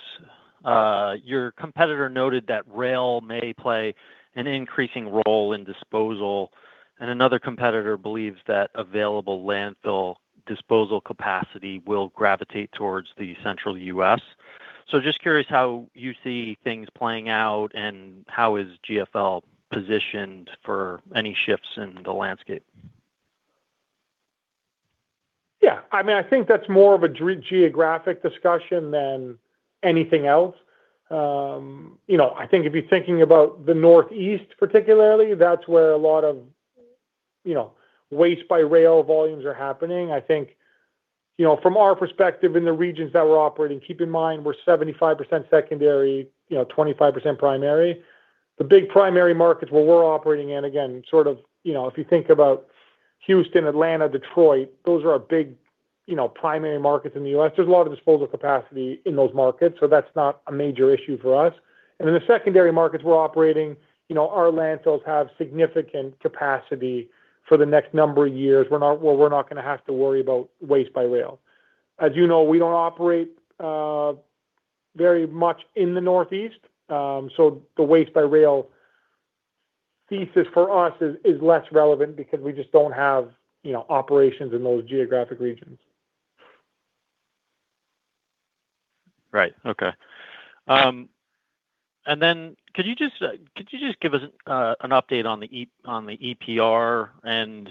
Your competitor noted that rail may play an increasing role in disposal, and another competitor believes that available landfill disposal capacity will gravitate towards the central U.S. Just curious how you see things playing out and how is GFL positioned for any shifts in the landscape? I mean, I think that's more of a geographic discussion than anything else. You know, I think if you're thinking about the Northeast particularly, that's where a lot of, you know, waste-by-rail volumes are happening. You know, from our perspective in the regions that we're operating, keep in mind we're 75% secondary, you know, 25% primary. The big primary markets where we're operating in, again, sort of, you know, if you think about Houston, Atlanta, Detroit, those are our big, you know, primary markets in the U.S. There's a lot of disposal capacity in those markets, that's not a major issue for us. In the secondary markets we're operating, you know, our landfills have significant capacity for the next number of years. Well, we're not gonna have to worry about waste by rail. As you know, we don't operate very much in the Northeast, the waste-by-rail thesis for us is less relevant because we just don't have, you know, operations in those geographic regions. Right. Okay. Then could you just give us an update on the EPR and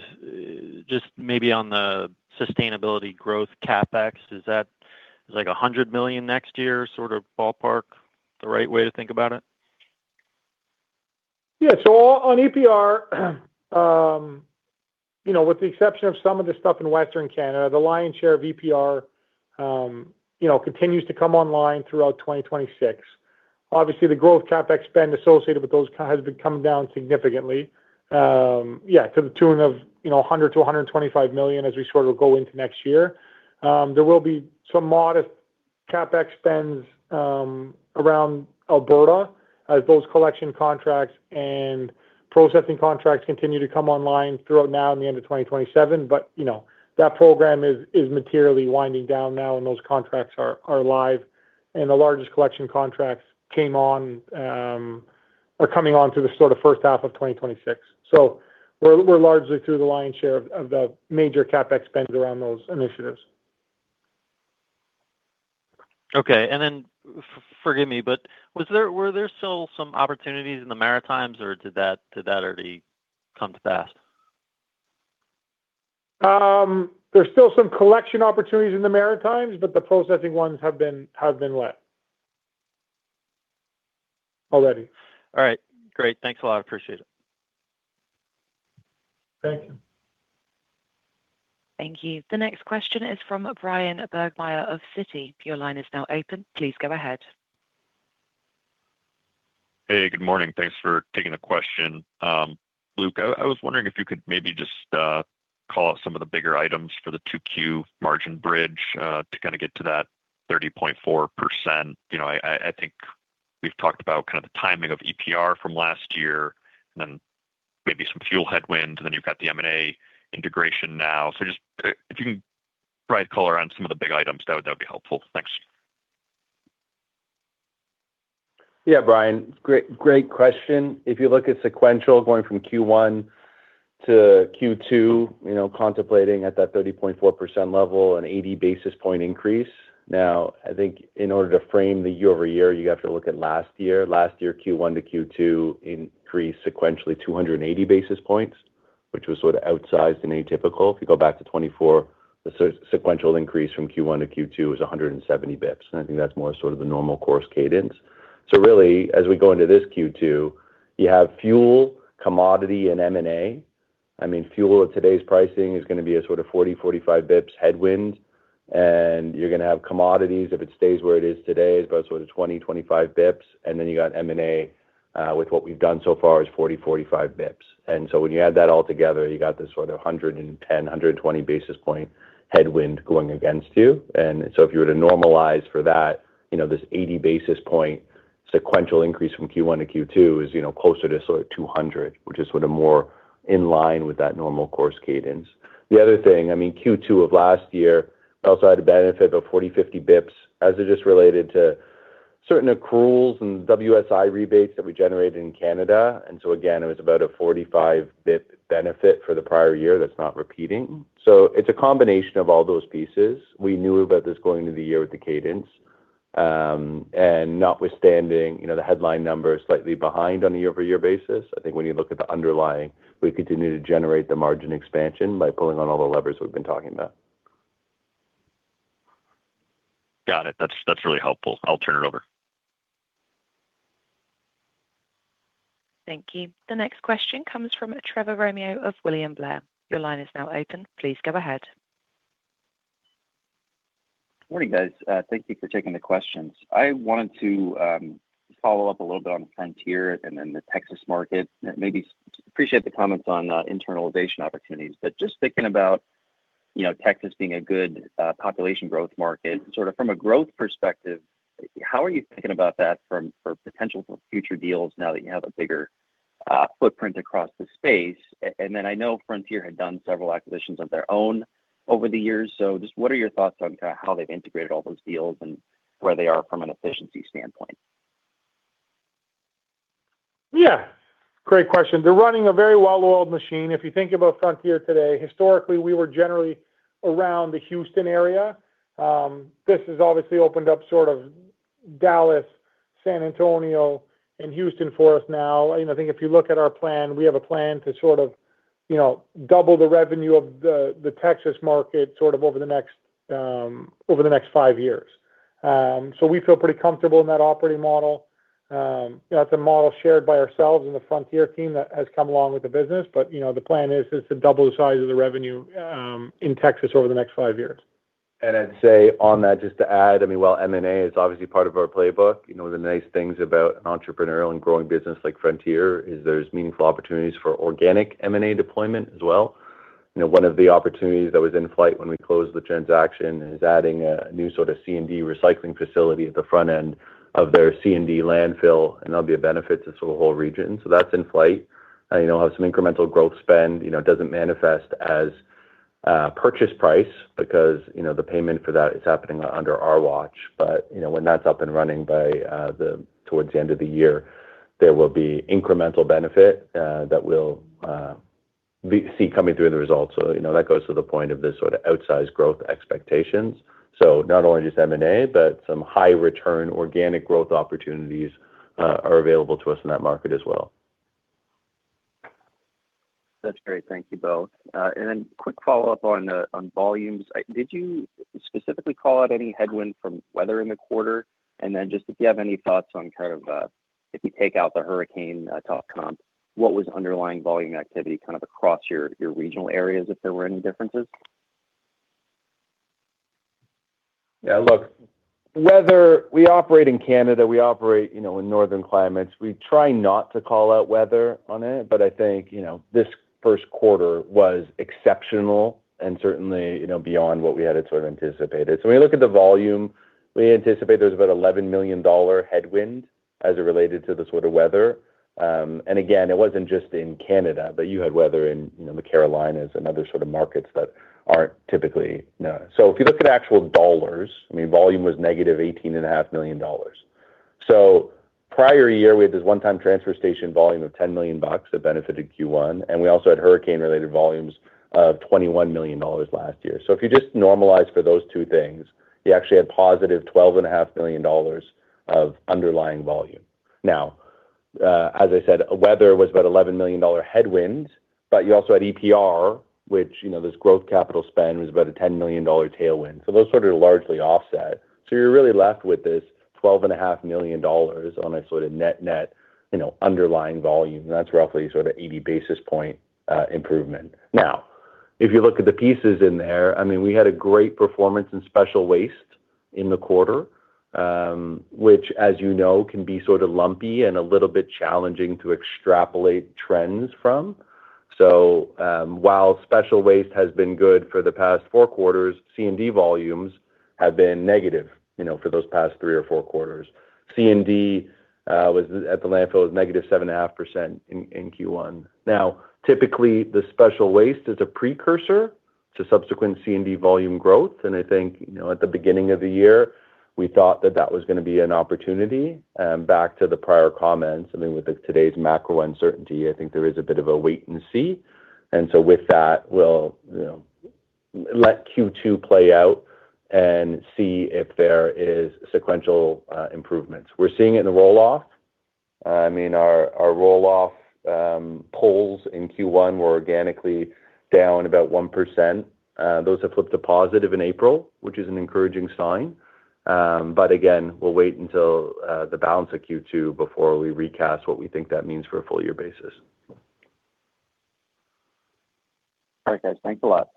just maybe on the sustainability growth CapEx? Is that like 100 million next year sort of ballpark the right way to think about it? On EPR, you know, with the exception of some of the stuff in Western Canada, the lion's share of EPR, you know, continues to come online throughout 2026. Obviously, the growth CapEx spend associated with those has been coming down significantly, to the tune of, you know, 100 million-125 million as we sort of go into next year. There will be some modest CapEx spends around Alberta as those collection contracts and processing contracts continue to come online throughout now and the end of 2027. You know, that program is materially winding down now, and those contracts are live. The largest collection contracts came on, are coming on to the sort of first half of 2026. We're largely through the lion's share of the major CapEx spend around those initiatives. Okay. Forgive me, were there still some opportunities in the Maritimes, or did that already come to pass? There's still some collection opportunities in the Maritimes, but the processing ones have been let already. All right, great. Thanks a lot. Appreciate it. Thank you. Thank you. The next question is from Bryan Bergmeier of Citi. Your line is now open. Please go ahead. Hey, good morning. Thanks for taking the question. Luke, I was wondering if you could maybe just call out some of the bigger items for the 2Q margin bridge to kind of get to that 30.4%. You know, I think we've talked about kind of the timing of EPR from last year and then maybe some fuel headwind, and then you've got the M&A integration now. Just if you can provide color on some of the big items, that would be helpful. Thanks. Bryan, great question. If you look at sequential going from Q1 to Q2, you know, contemplating at that 30.4% level, an 80 basis point increase. I think in order to frame the year-over-year, you have to look at last year. Last year, Q1 to Q2 increased sequentially 280 basis points, which was sort of outsized and atypical. If you go back to 2024, the sequential increase from Q1 to Q2 is 170 basis points, I think that's more sort of the normal course cadence. As we go into this Q2, you have fuel, commodity, and M&A. I mean, fuel at today's pricing is gonna be a sort of 40, 45 basis points headwind, you're gonna have commodities. If it stays where it is today, it's about sort of 20, 25 basis points. You got M&A, with what we've done so far is 40, 45 basis points. When you add that all together, you got this sort of 110, 120 basis point headwind going against you. If you were to normalize for that, you know, this 80 basis point sequential increase from Q1 to Q2 is, you know, closer to sort of 200, which is sort of more in line with that normal course cadence. The other thing, I mean, Q2 of last year also had the benefit of 40, 50 basis points as it just related to certain accruals and WSI rebates that we generated in Canada. Again, it was about a 45 basis point benefit for the prior year that's not repeating. It's a combination of all those pieces. We knew about this going into the year with the cadence. Notwithstanding, you know, the headline numbers slightly behind on a year-over-year basis, I think when you look at the underlying, we continue to generate the margin expansion by pulling on all the levers we've been talking about. Got it. That's really helpful. I'll turn it over. Thank you. The next question comes from Trevor Romeo of William Blair. Your line is now open. Please go ahead. Morning, guys. Thank you for taking the questions. I wanted to follow up a little bit on Frontier and then the Texas market, and maybe appreciate the comments on internalization opportunities. Just thinking about, you know, Texas being a good population growth market, sort of from a growth perspective, how are you thinking about that from, for potential for future deals now that you have a bigger footprint across the space? And then I know Frontier had done several acquisitions of their own over the years, just what are your thoughts on how they've integrated all those deals and where they are from an efficiency standpoint? Yeah. Great question. They're running a very well-oiled machine. If you think about Frontier today, historically, we were generally around the Houston area. This has obviously opened up sort of Dallas, San Antonio, and Houston for us now. I think if you look at our plan, we have a plan to sort of, you know, double the revenue of the Texas market sort of over the next over the next five years. We feel pretty comfortable in that operating model. That's a model shared by ourselves and the Frontier team that has come along with the business. You know, the plan is to double the size of the revenue in Texas over the next five years. I'd say on that, just to add, I mean, while M&A is obviously part of our playbook, you know, the nice things about entrepreneurial and growing business like Frontier is there's meaningful opportunities for organic M&A deployment as well. You know, one of the opportunities that was in flight when we closed the transaction is adding a new sort of C&D recycling facility at the front end of their C&D landfill, and that'll be a benefit to sort of the whole region. That's in flight. You know, have some incremental growth spend, you know, doesn't manifest as purchase price because, you know, the payment for that is happening under our watch. You know, when that's up and running by towards the end of the year, there will be incremental benefit that we'll see coming through in the results. You know, that goes to the point of the sort of outsized growth expectations. Not only just M&A, but some high return organic growth opportunities are available to us in that market as well. That's great. Thank you both. Then quick follow-up on volumes. Did you specifically call out any headwind from weather in the quarter? Then just if you have any thoughts on kind of, if you take out the hurricane top comp, what was underlying volume activity kind of across your regional areas, if there were any differences? Yeah. Look, weather, we operate in Canada, we operate, you know, in northern climates. We try not to call out weather on it, but I think, you know, this 1st quarter was exceptional and certainly, you know, beyond what we had sort of anticipated. When we look at the volume, we anticipate there's about 11 million dollar headwind as it related to the sort of weather. Again, it wasn't just in Canada, but you had weather in, you know, the Carolinas and other sort of markets that aren't typically known. If you look at actual dollars, I mean, volume was negative 18.5 million dollars. Prior year, we had this one-time transfer station volume of 10 million bucks that benefited Q1, and we also had hurricane-related volumes of 21 million dollars last year. If you just normalize for those two things, you actually had positive 12.5 million dollars of underlying volume. Now, as I said, weather was about a 11 million dollar headwind, but you also had EPR, which, you know, this growth capital spend was about a 10 million dollar tailwind. Those sort of largely offset. You're really left with this 12.5 million dollars on a sort of net-net, you know, underlying volume, and that's roughly sort of 80 basis point improvement. Now, if you look at the pieces in there, I mean, we had a great performance in special waste in the quarter, which, as you know, can be sort of lumpy and a little bit challenging to extrapolate trends from. While special waste has been good for the past four quarters, C&D volumes have been negative, you know, for those past three or four quarters. C&D was at the landfill was negative 7.5% in Q1. Now, typically, the special waste is a precursor to subsequent C&D volume growth, and I think, you know, at the beginning of the year, we thought that that was gonna be an opportunity. Back to the prior comments, I mean, with today's macro uncertainty, I think there is a bit of a wait and see. With that, we'll, you know, let Q2 play out and see if there is sequential improvements. We're seeing it in the roll-off. I mean, our roll-off pulls in Q1 were organically down about 1%. Those have flipped to positive in April, which is an encouraging sign. Again, we'll wait until the balance of Q2 before we recast what we think that means for a full year basis. All right, guys. Thanks a lot.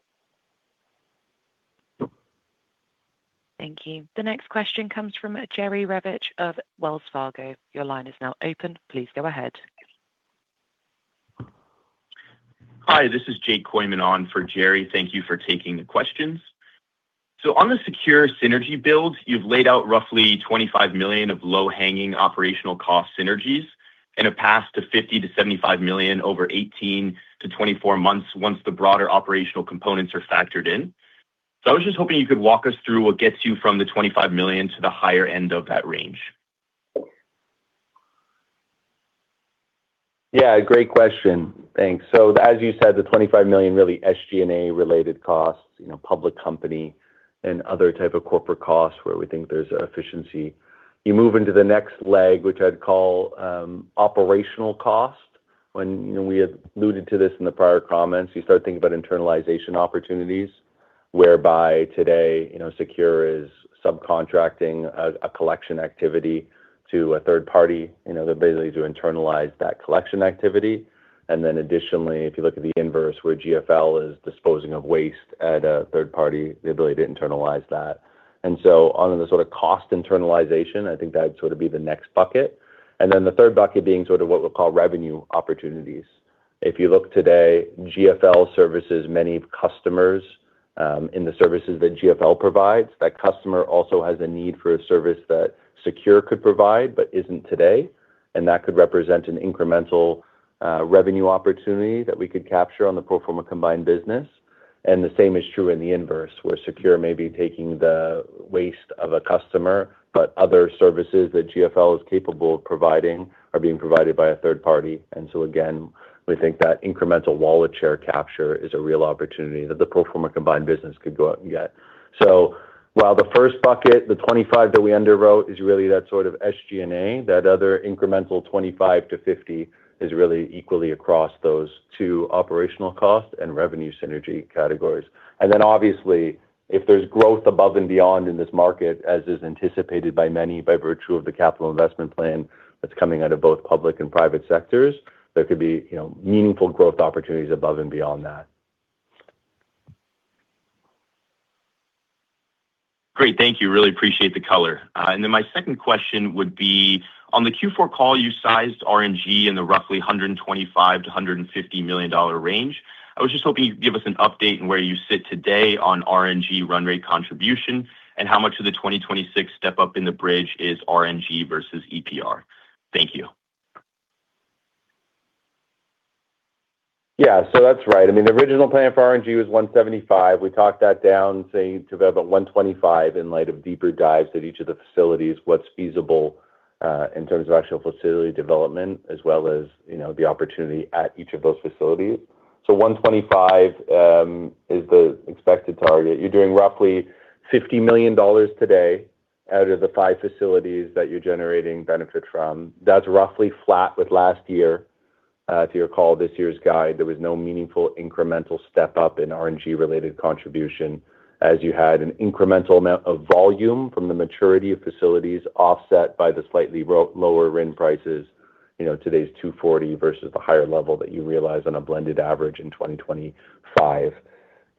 Yep. Thank you. The next question comes from Jerry Revich of Wells Fargo. Your line is now open. Please go ahead. Hi, this is Jake Kooyman on for Jerry. Thank you for taking the questions. On the SECURE synergy build, you've laid out roughly 25 million of low-hanging operational cost synergies and a path to 50 million-75 million over 18 to 24 months once the broader operational components are factored in. I was just hoping you could walk us through what gets you from the 25 million to the higher end of that range? Yeah, great question. Thanks. As you said, the 25 million really SG&A related costs, you know, public company and other type of corporate costs where we think there's efficiency. You move into the next leg, which I'd call operational cost. When, you know, we had alluded to this in the prior comments, you start thinking about internalization opportunities, whereby today, you know, SECURE is subcontracting a collection activity to a third party, you know, the ability to internalize that collection activity. Additionally, if you look at the inverse, where GFL is disposing of waste at a third party, the ability to internalize that. On the sort of cost internalization, I think that'd sort of be the next bucket. Then the third bucket being sort of what we'll call revenue opportunities. If you look today, GFL services many customers in the services that GFL provides. That customer also has a need for a service that Secure could provide, but isn't today. That could represent an incremental revenue opportunity that we could capture on the pro forma combined business. The same is true in the inverse, where Secure may be taking the waste of a customer, but other services that GFL is capable of providing are being provided by a third party. Again, we think that incremental wallet share capture is a real opportunity that the pro forma combined business could go out and get. While the first bucket, the 25 that we underwrote, is really that sort of SG&A, that other incremental 25-50 is really equally across those two operational costs and revenue synergy categories. Obviously, if there's growth above and beyond in this market, as is anticipated by many by virtue of the capital investment plan that's coming out of both public and private sectors, there could be, you know, meaningful growth opportunities above and beyond that. Great. Thank you. Really appreciate the color. My second question would be, on the Q4 call, you sized RNG in the roughly 125 million-150 million dollar range. I was just hoping you'd give us an update on where you sit today on RNG run rate contribution and how much of the 2026 step up in the bridge is RNG versus EPR. Thank you. That's right. I mean, the original plan for RNG was 175. We talked that down, saying to about 125 in light of deeper dives at each of the facilities, what's feasible in terms of actual facility development, as well as, you know, the opportunity at each of those facilities. 125 is the expected target. You're doing roughly 50 million dollars today out of the 5 facilities that you're generating benefit from. That's roughly flat with last year. If you recall this year's guide, there was no meaningful incremental step up in RNG-related contribution, as you had an incremental amount of volume from the maturity of facilities offset by the slightly lower RIN prices. You know, today's 2.40 versus the higher level that you realize on a blended average in 2025.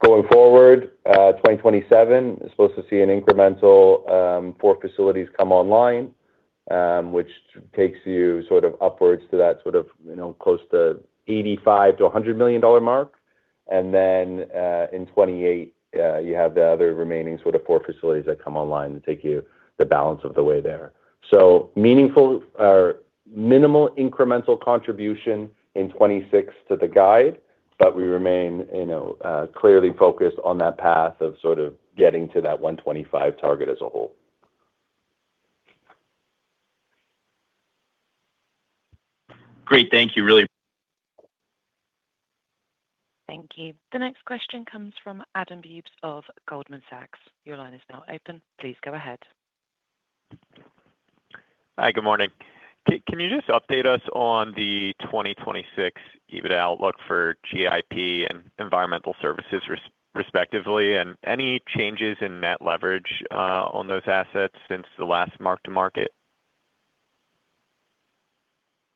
Going forward, 2027 is supposed to see an incremental four facilities come online, which takes you sort of upwards to that sort of, you know, close to 85 million-100 million dollar mark. In 2028, you have the other remaining sort of four facilities that come online and take you the balance of the way there. Meaningful or minimal incremental contribution in 2026 to the guide, but we remain, you know, clearly focused on that path of sort of getting to that 125 target as a whole. Great. Thank you. Thank you. The next question comes from Adam Bubes of Goldman Sachs. Your line is now open. Please go ahead. Hi, good morning. Can you just update us on the 2026 EBITDA outlook for GIP and Environmental Services respectively, and any changes in net leverage on those assets since the last mark to market?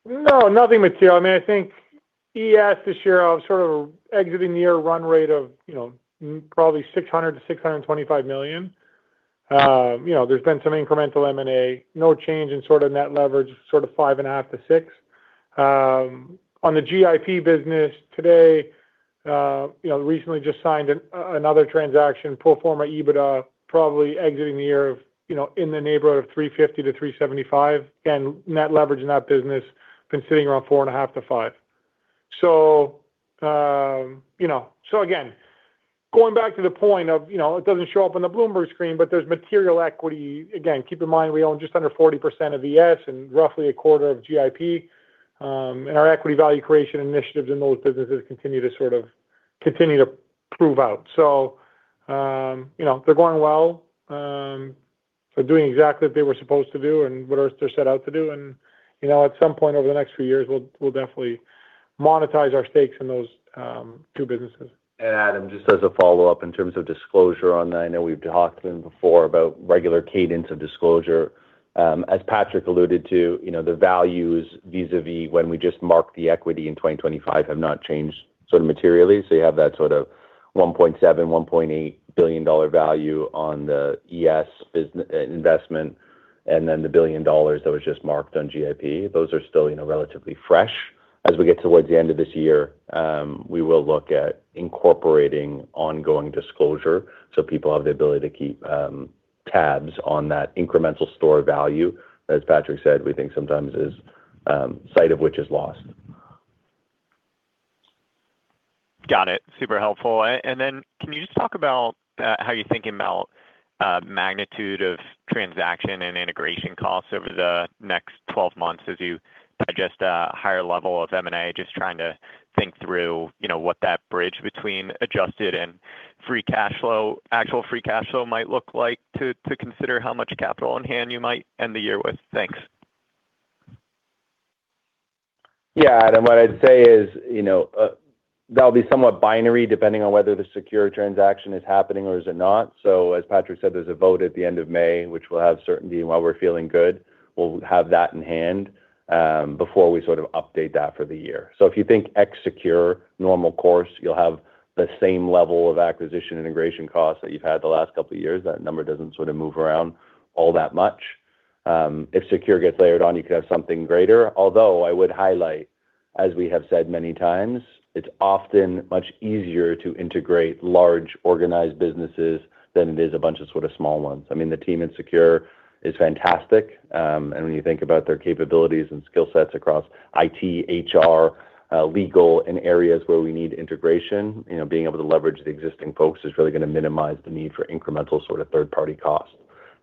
No, nothing material. I mean, I think ES this year of sort of exiting year run rate of, you know, probably 600 million-625 million. You know, there's been some incremental M&A. No change in sort of net leverage, sort of 5.5x to 6x. On the GIP business today, you know, recently just signed another transaction, pro forma EBITDA, probably exiting the year of, you know, in the neighborhood of 350 million-375 million. Net leverage in that business been sitting around 4.5x to 5x. Again, going back to the point of, you know, it doesn't show up on the Bloomberg screen, but there's material equity. Again, keep in mind, we own just under 40% of ES and roughly a quarter of GIP. And our equity value creation initiatives in those businesses continue to prove out. You know, they're going well. They're doing exactly what they were supposed to do and what else they're set out to do. You know, at some point over the next few years, we'll definitely monetize our stakes in those two businesses. Adam, just as a follow-up in terms of disclosure on that, I know we've talked to them before about regular cadence of disclosure. As Patrick alluded to, you know, the values vis-a-vis when we just marked the equity in 2025 have not changed sort of materially. So you have that sort of 1.7 billion-1.8 billion dollar value on the ES investment and then the 1 billion dollars that was just marked on GIP. Those are still, you know, relatively fresh. As we get towards the end of this year, we will look at incorporating ongoing disclosure, so people have the ability to keep, tabs on that incremental store value. As Patrick said, we think sometimes is, sight of which is lost. Got it. Super helpful. Can you just talk about how you're thinking about magnitude of transaction and integration costs over the next 12 months as you digest a higher level of M&A? Just trying to think through, you know, what that bridge between adjusted and free cash flow, actual free cash flow might look like to consider how much capital on hand you might end the year with. Thanks. What I'd say is, you know, that'll be somewhat binary depending on whether the SECURE transaction is happening or is it not. As Patrick said, there's a vote at the end of May, which we'll have certainty and while we're feeling good, we'll have that in hand before we sort of update that for the year. If you think ex SECURE normal course, you'll have the same level of acquisition integration costs that you've had the last couple of years. That number doesn't sort of move around all that much. If SECURE gets layered on, you could have something greater. Although I would highlight, as we have said many times, it's often much easier to integrate large organized businesses than it is a bunch of sort of small ones. I mean, the team in SECURE is fantastic. When you think about their capabilities and skill sets across IT, HR, legal and areas where we need integration, you know, being able to leverage the existing folks is really gonna minimize the need for incremental sort of third-party costs.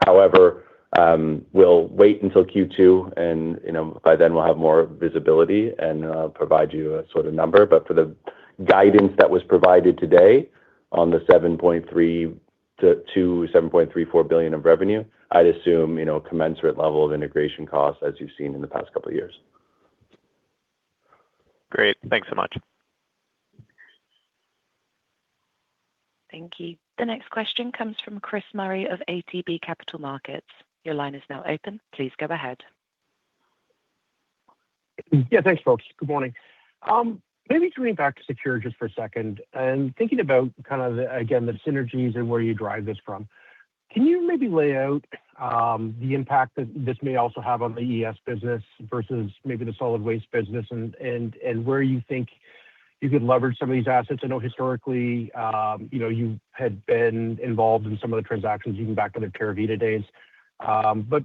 However, we'll wait until Q2 and, you know, by then we'll have more visibility and provide you a sort of number. For the guidance that was provided today on the 7.3 billion-7.34 billion of revenue, I'd assume, you know, commensurate level of integration costs as you've seen in the past couple of years. Great. Thanks so much. Thank you. The next question comes from Chris Murray of ATB Capital Markets. Your line is now open. Please go ahead. Yeah, thanks folks. Good morning. Maybe turning back to SECURE just for a second and thinking about kind of the, again, the synergies and where you drive this from. Can you maybe lay out the impact that this may also have on the ES business versus maybe the solid waste business and where you think you could leverage some of these assets? I know historically, you know, you had been involved in some of the transactions even back in the Tervita days.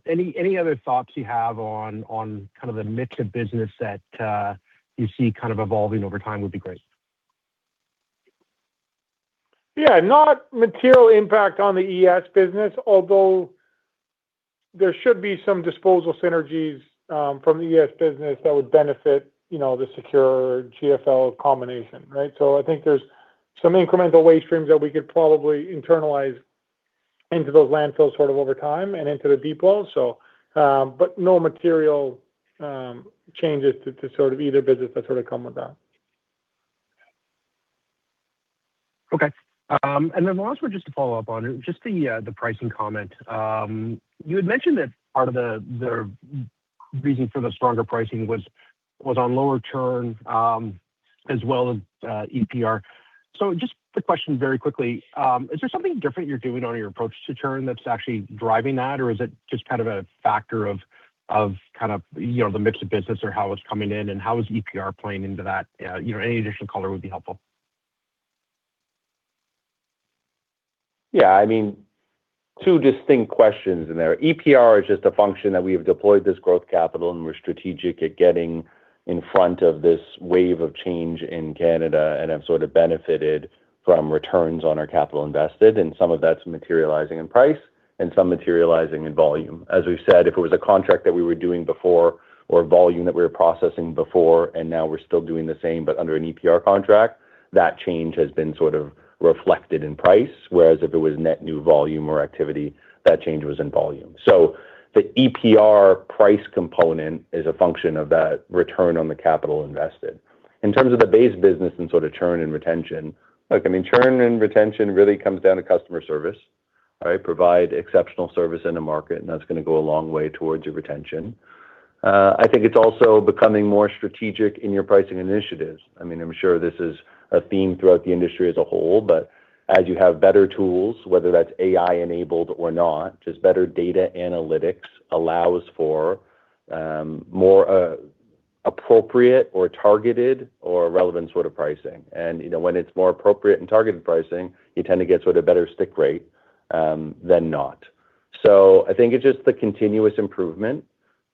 Any other thoughts you have on kind of the mix of business that you see kind of evolving over time would be great. Yeah, not material impact on the ES business, although there should be some disposal synergies from the ES business that would benefit, you know, the Secure GFL combination, right. I think there's some incremental waste streams that we could probably internalize into those landfills sort of over time and into the depot, but no material changes to sort of either business that sort of come with that. Okay. The last one, just to follow up on just the pricing comment. You had mentioned that part of the reason for the stronger pricing was on lower churn, as well as EPR. Just the question very quickly, is there something different you're doing on your approach to churn that's actually driving that, or is it just kind of a factor of kind of, you know, the mix of business or how it's coming in and how is EPR playing into that? You know, any additional color would be helpful. I mean, two distinct questions in there. EPR is just a function that we have deployed this growth capital and we're strategic at getting in front of this wave of change in Canada and have sort of benefited from returns on our capital invested, and some of that's materializing in price and some materializing in volume. As we've said, if it was a contract that we were doing before or volume that we were processing before and now we're still doing the same but under an EPR contract, that change has been sort of reflected in price. Whereas if it was net new volume or activity, that change was in volume. The EPR price component is a function of that return on the capital invested. In terms of the base business and sort of churn and retention, I mean, churn and retention really comes down to customer service, right? Provide exceptional service in a market and that's going to go a long way towards your retention. I think it's also becoming more strategic in your pricing initiatives. I mean, I'm sure this is a theme throughout the industry as a whole, but as you have better tools, whether that's AI-enabled or not, just better data analytics allows for more appropriate or targeted or relevant sort of pricing. You know, when it's more appropriate and targeted pricing, you tend to get sort of better stick rate than not. I think it's just the continuous improvement.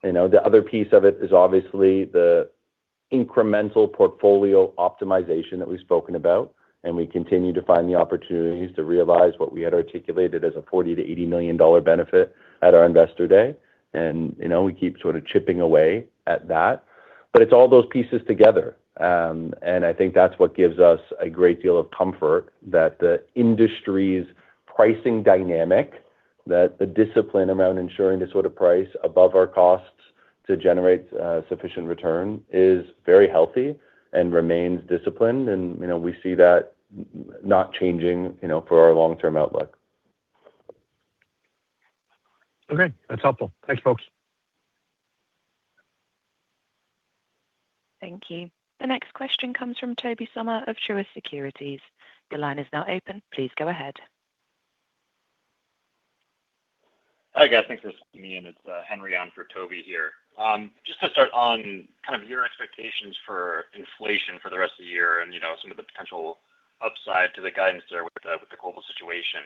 You know, the other piece of it is obviously the incremental portfolio optimization that we've spoken about, and we continue to find the opportunities to realize what we had articulated as a 40 million-80 million dollar benefit at our Investor Day. You know, we keep sort of chipping away at that, but it's all those pieces together. I think that's what gives us a great deal of comfort that the industry's pricing dynamic, that the discipline around ensuring to sort of price above our costs to generate sufficient return is very healthy and remains disciplined. You know, we see that not changing, you know, for our long-term outlook. Okay, that's helpful. Thanks, folks. Thank you. The next question comes from Tobey Sommer of Truist Securities. Your line is now open. Please go ahead. Hi, guys. Thanks for letting me in. It's Henry on for Toby here. Just to start on kind of your expectations for inflation for the rest of the year and, you know, some of the potential upside to the guidance there with the global situation,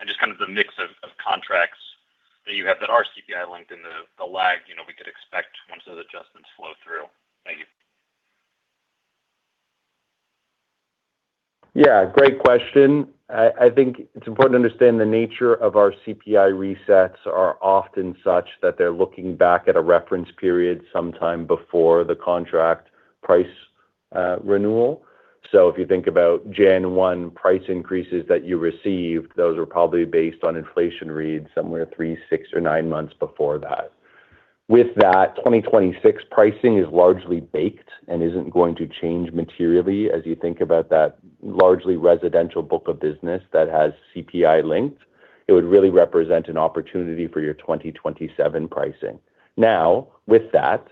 and just kind of the mix of contracts that you have that CPI linked in the lag, you know, we could expect once those adjustments flow through. Thank you Yeah. Great question. I think it's important to understand the nature of our CPI resets are often such that they're looking back at a reference period sometime before the contract price renewal. If you think about January 1 price increases that you received, those were probably based on inflation reads somewhere three, six or nine months before that. With that, 2026 pricing is largely baked and isn't going to change materially as you think about that largely residential book of business that has CPI linked. It would really represent an opportunity for your 2027 pricing. With that,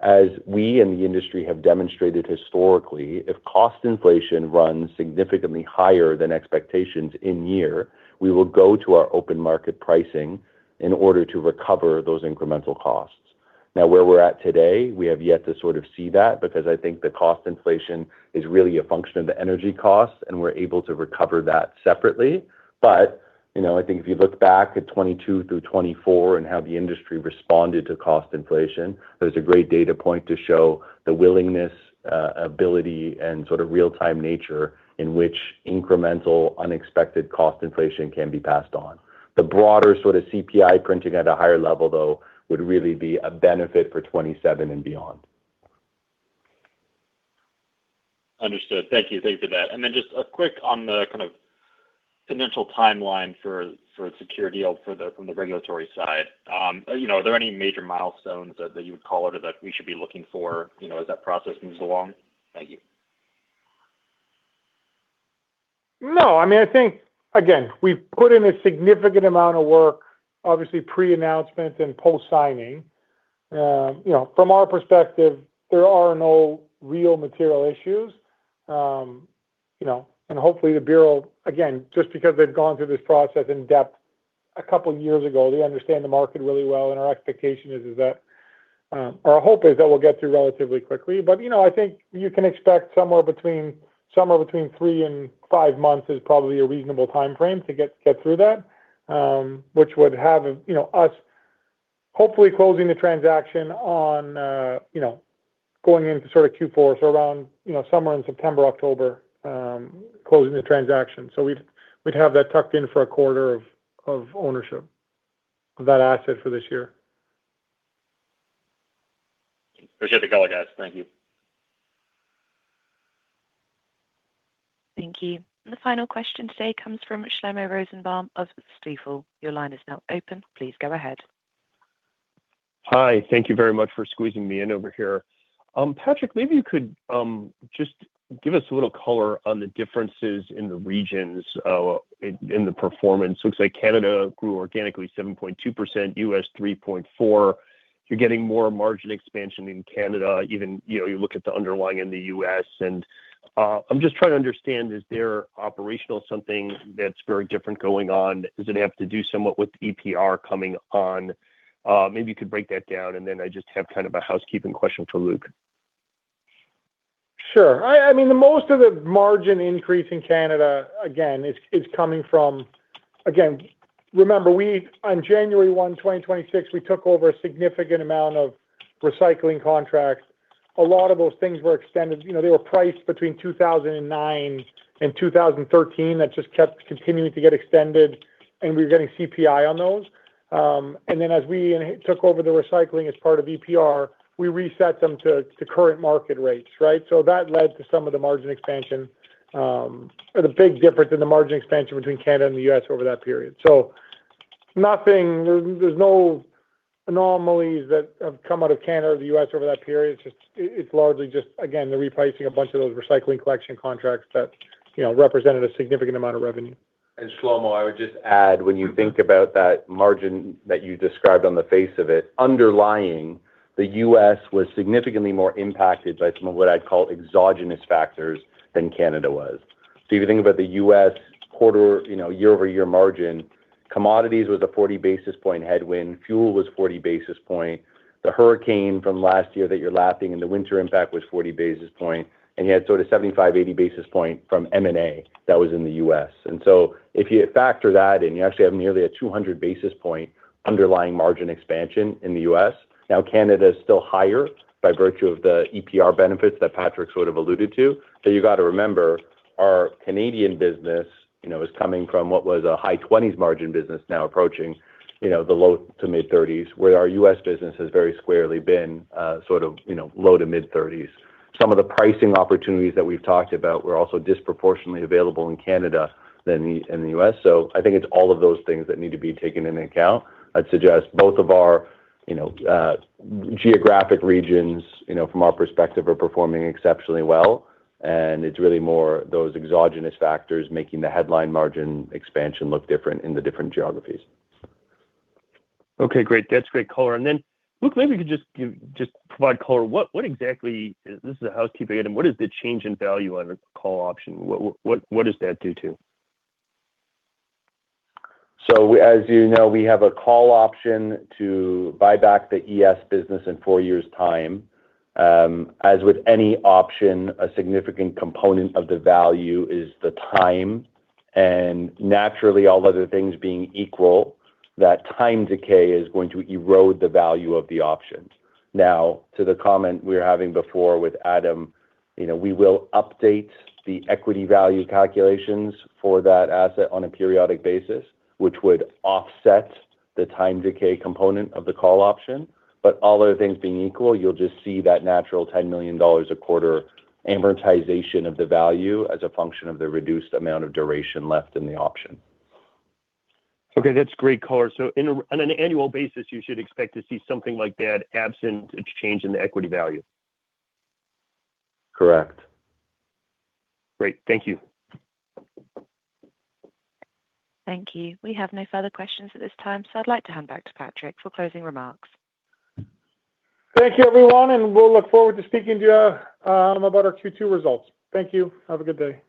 as we and the industry have demonstrated historically, if cost inflation runs significantly higher than expectations in year, we will go to our open market pricing in order to recover those incremental costs. Where we're at today, we have yet to sort of see that because I think the cost inflation is really a function of the energy costs, and we're able to recover that separately. You know, I think if you look back at 2022 through 2024 and how the industry responded to cost inflation, there's a great data point to show the willingness, ability, and sort of real-time nature in which incremental unexpected cost inflation can be passed on. The broader sort of CPI printing at a higher level, though, would really be a benefit for 2027 and beyond. Understood. Thank you. Thanks for that. Just a quick on the kind of financial timeline for the SECURE deal from the regulatory side. you know, are there any major milestones that you would call out or that we should be looking for, you know, as that process moves along? Thank you. No, I mean, I think again, we've put in a significant amount of work, obviously pre-announcement and post-signing. You know, from our perspective, there are no real material issues. You know, and hopefully the Bureau, again, just because they've gone through this process in depth a couple years ago, they understand the market really well, and our expectation is that our hope is that we'll get through relatively quickly. You know, I think you can expect somewhere between three and five months is probably a reasonable timeframe to get through that, which would have, you know, us hopefully closing the transaction on, you know, going into sort of Q4, so around, you know, somewhere in September, October, closing the transaction. We'd have that tucked in for a quarter of ownership of that asset for this year. Appreciate the color, guys. Thank you. Thank you. The final question today comes from Shlomo Rosenbaum of Stifel. Your line is now open. Please go ahead. Hi. Thank you very much for squeezing me in over here. Patrick, maybe you could just give us a little color on the differences in the regions in the performance. Looks like Canada grew organically 7.2%, U.S. 3.4%. You're getting more margin expansion in Canada even, you know, you look at the underlying in the U.S. and I'm just trying to understand, is there operational something that's very different going on? Does it have to do somewhat with EPR coming on? Maybe you could break that down, then I just have kind of a housekeeping question for Luke. I mean the most of the margin increase in Canada again is coming from. Remember, on January 1, 2026, we took over a significant amount of recycling contracts. A lot of those things were extended. You know, they were priced between 2009 and 2013. That just kept continuing to get extended, and we were getting CPI on those. Then as we took over the recycling as part of EPR, we reset them to current market rates, right? That led to some of the margin expansion or the big difference in the margin expansion between Canada and the U.S. over that period. There's no anomalies that have come out of Canada or the U.S. over that period. It's just, it's largely just, again, the repricing a bunch of those recycling collection contracts that, you know, represented a significant amount of revenue. Shlomo, I would just add, when you think about that margin that you described on the face of it, underlying the U.S. was significantly more impacted by some of what I'd call exogenous factors than Canada was. If you think about the U.S. quarter, you know, year over year margin, commodities was a 40 basis points headwind. Fuel was 40 basis points. The hurricane from last year that you're lapping and the winter impact was 40 basis points, and you had sort of 75, 80 basis points from M&A that was in the U.S. If you factor that in, you actually have nearly a 200 basis points underlying margin expansion in the U.S. Canada is still higher by virtue of the EPR benefits that Patrick sort of alluded to. You got to remember, our Canadian business, you know, is coming from what was a high 20s margin business now approaching, you know, the low to mid-30s, where our U.S. business has very squarely been, sort of, you know, low to mid-30s. Some of the pricing opportunities that we've talked about were also disproportionately available in Canada than in the U.S. I think it's all of those things that need to be taken into account. I'd suggest both of our, you know, geographic regions, you know, from our perspective, are performing exceptionally well, and it's really more those exogenous factors making the headline margin expansion look different in the different geographies. Okay, great. That's great color. Then Luke, maybe you could just provide color. This is a housekeeping item. What is the change in value on a call option? What is that due to? As you know, we have a call option to buy back the ES business in four years' time. As with any option, a significant component of the value is the time. Naturally, all other things being equal, that time decay is going to erode the value of the options. To the comment we were having before with Adam, we will update the equity value calculations for that asset on a periodic basis, which would offset the time decay component of the call option. All other things being equal, you'll just see that natural 10 million dollars a quarter amortization of the value as a function of the reduced amount of duration left in the option. Okay, that's great color. On an annual basis, you should expect to see something like that absent a change in the equity value. Correct. Great. Thank you. Thank you. We have no further questions at this time. I'd like to hand back to Patrick for closing remarks. Thank you, everyone, and we'll look forward to speaking to you about our Q2 results. Thank you. Have a good day.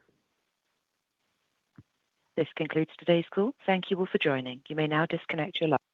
This concludes today's call. Thank you all for joining. You may now disconnect your line.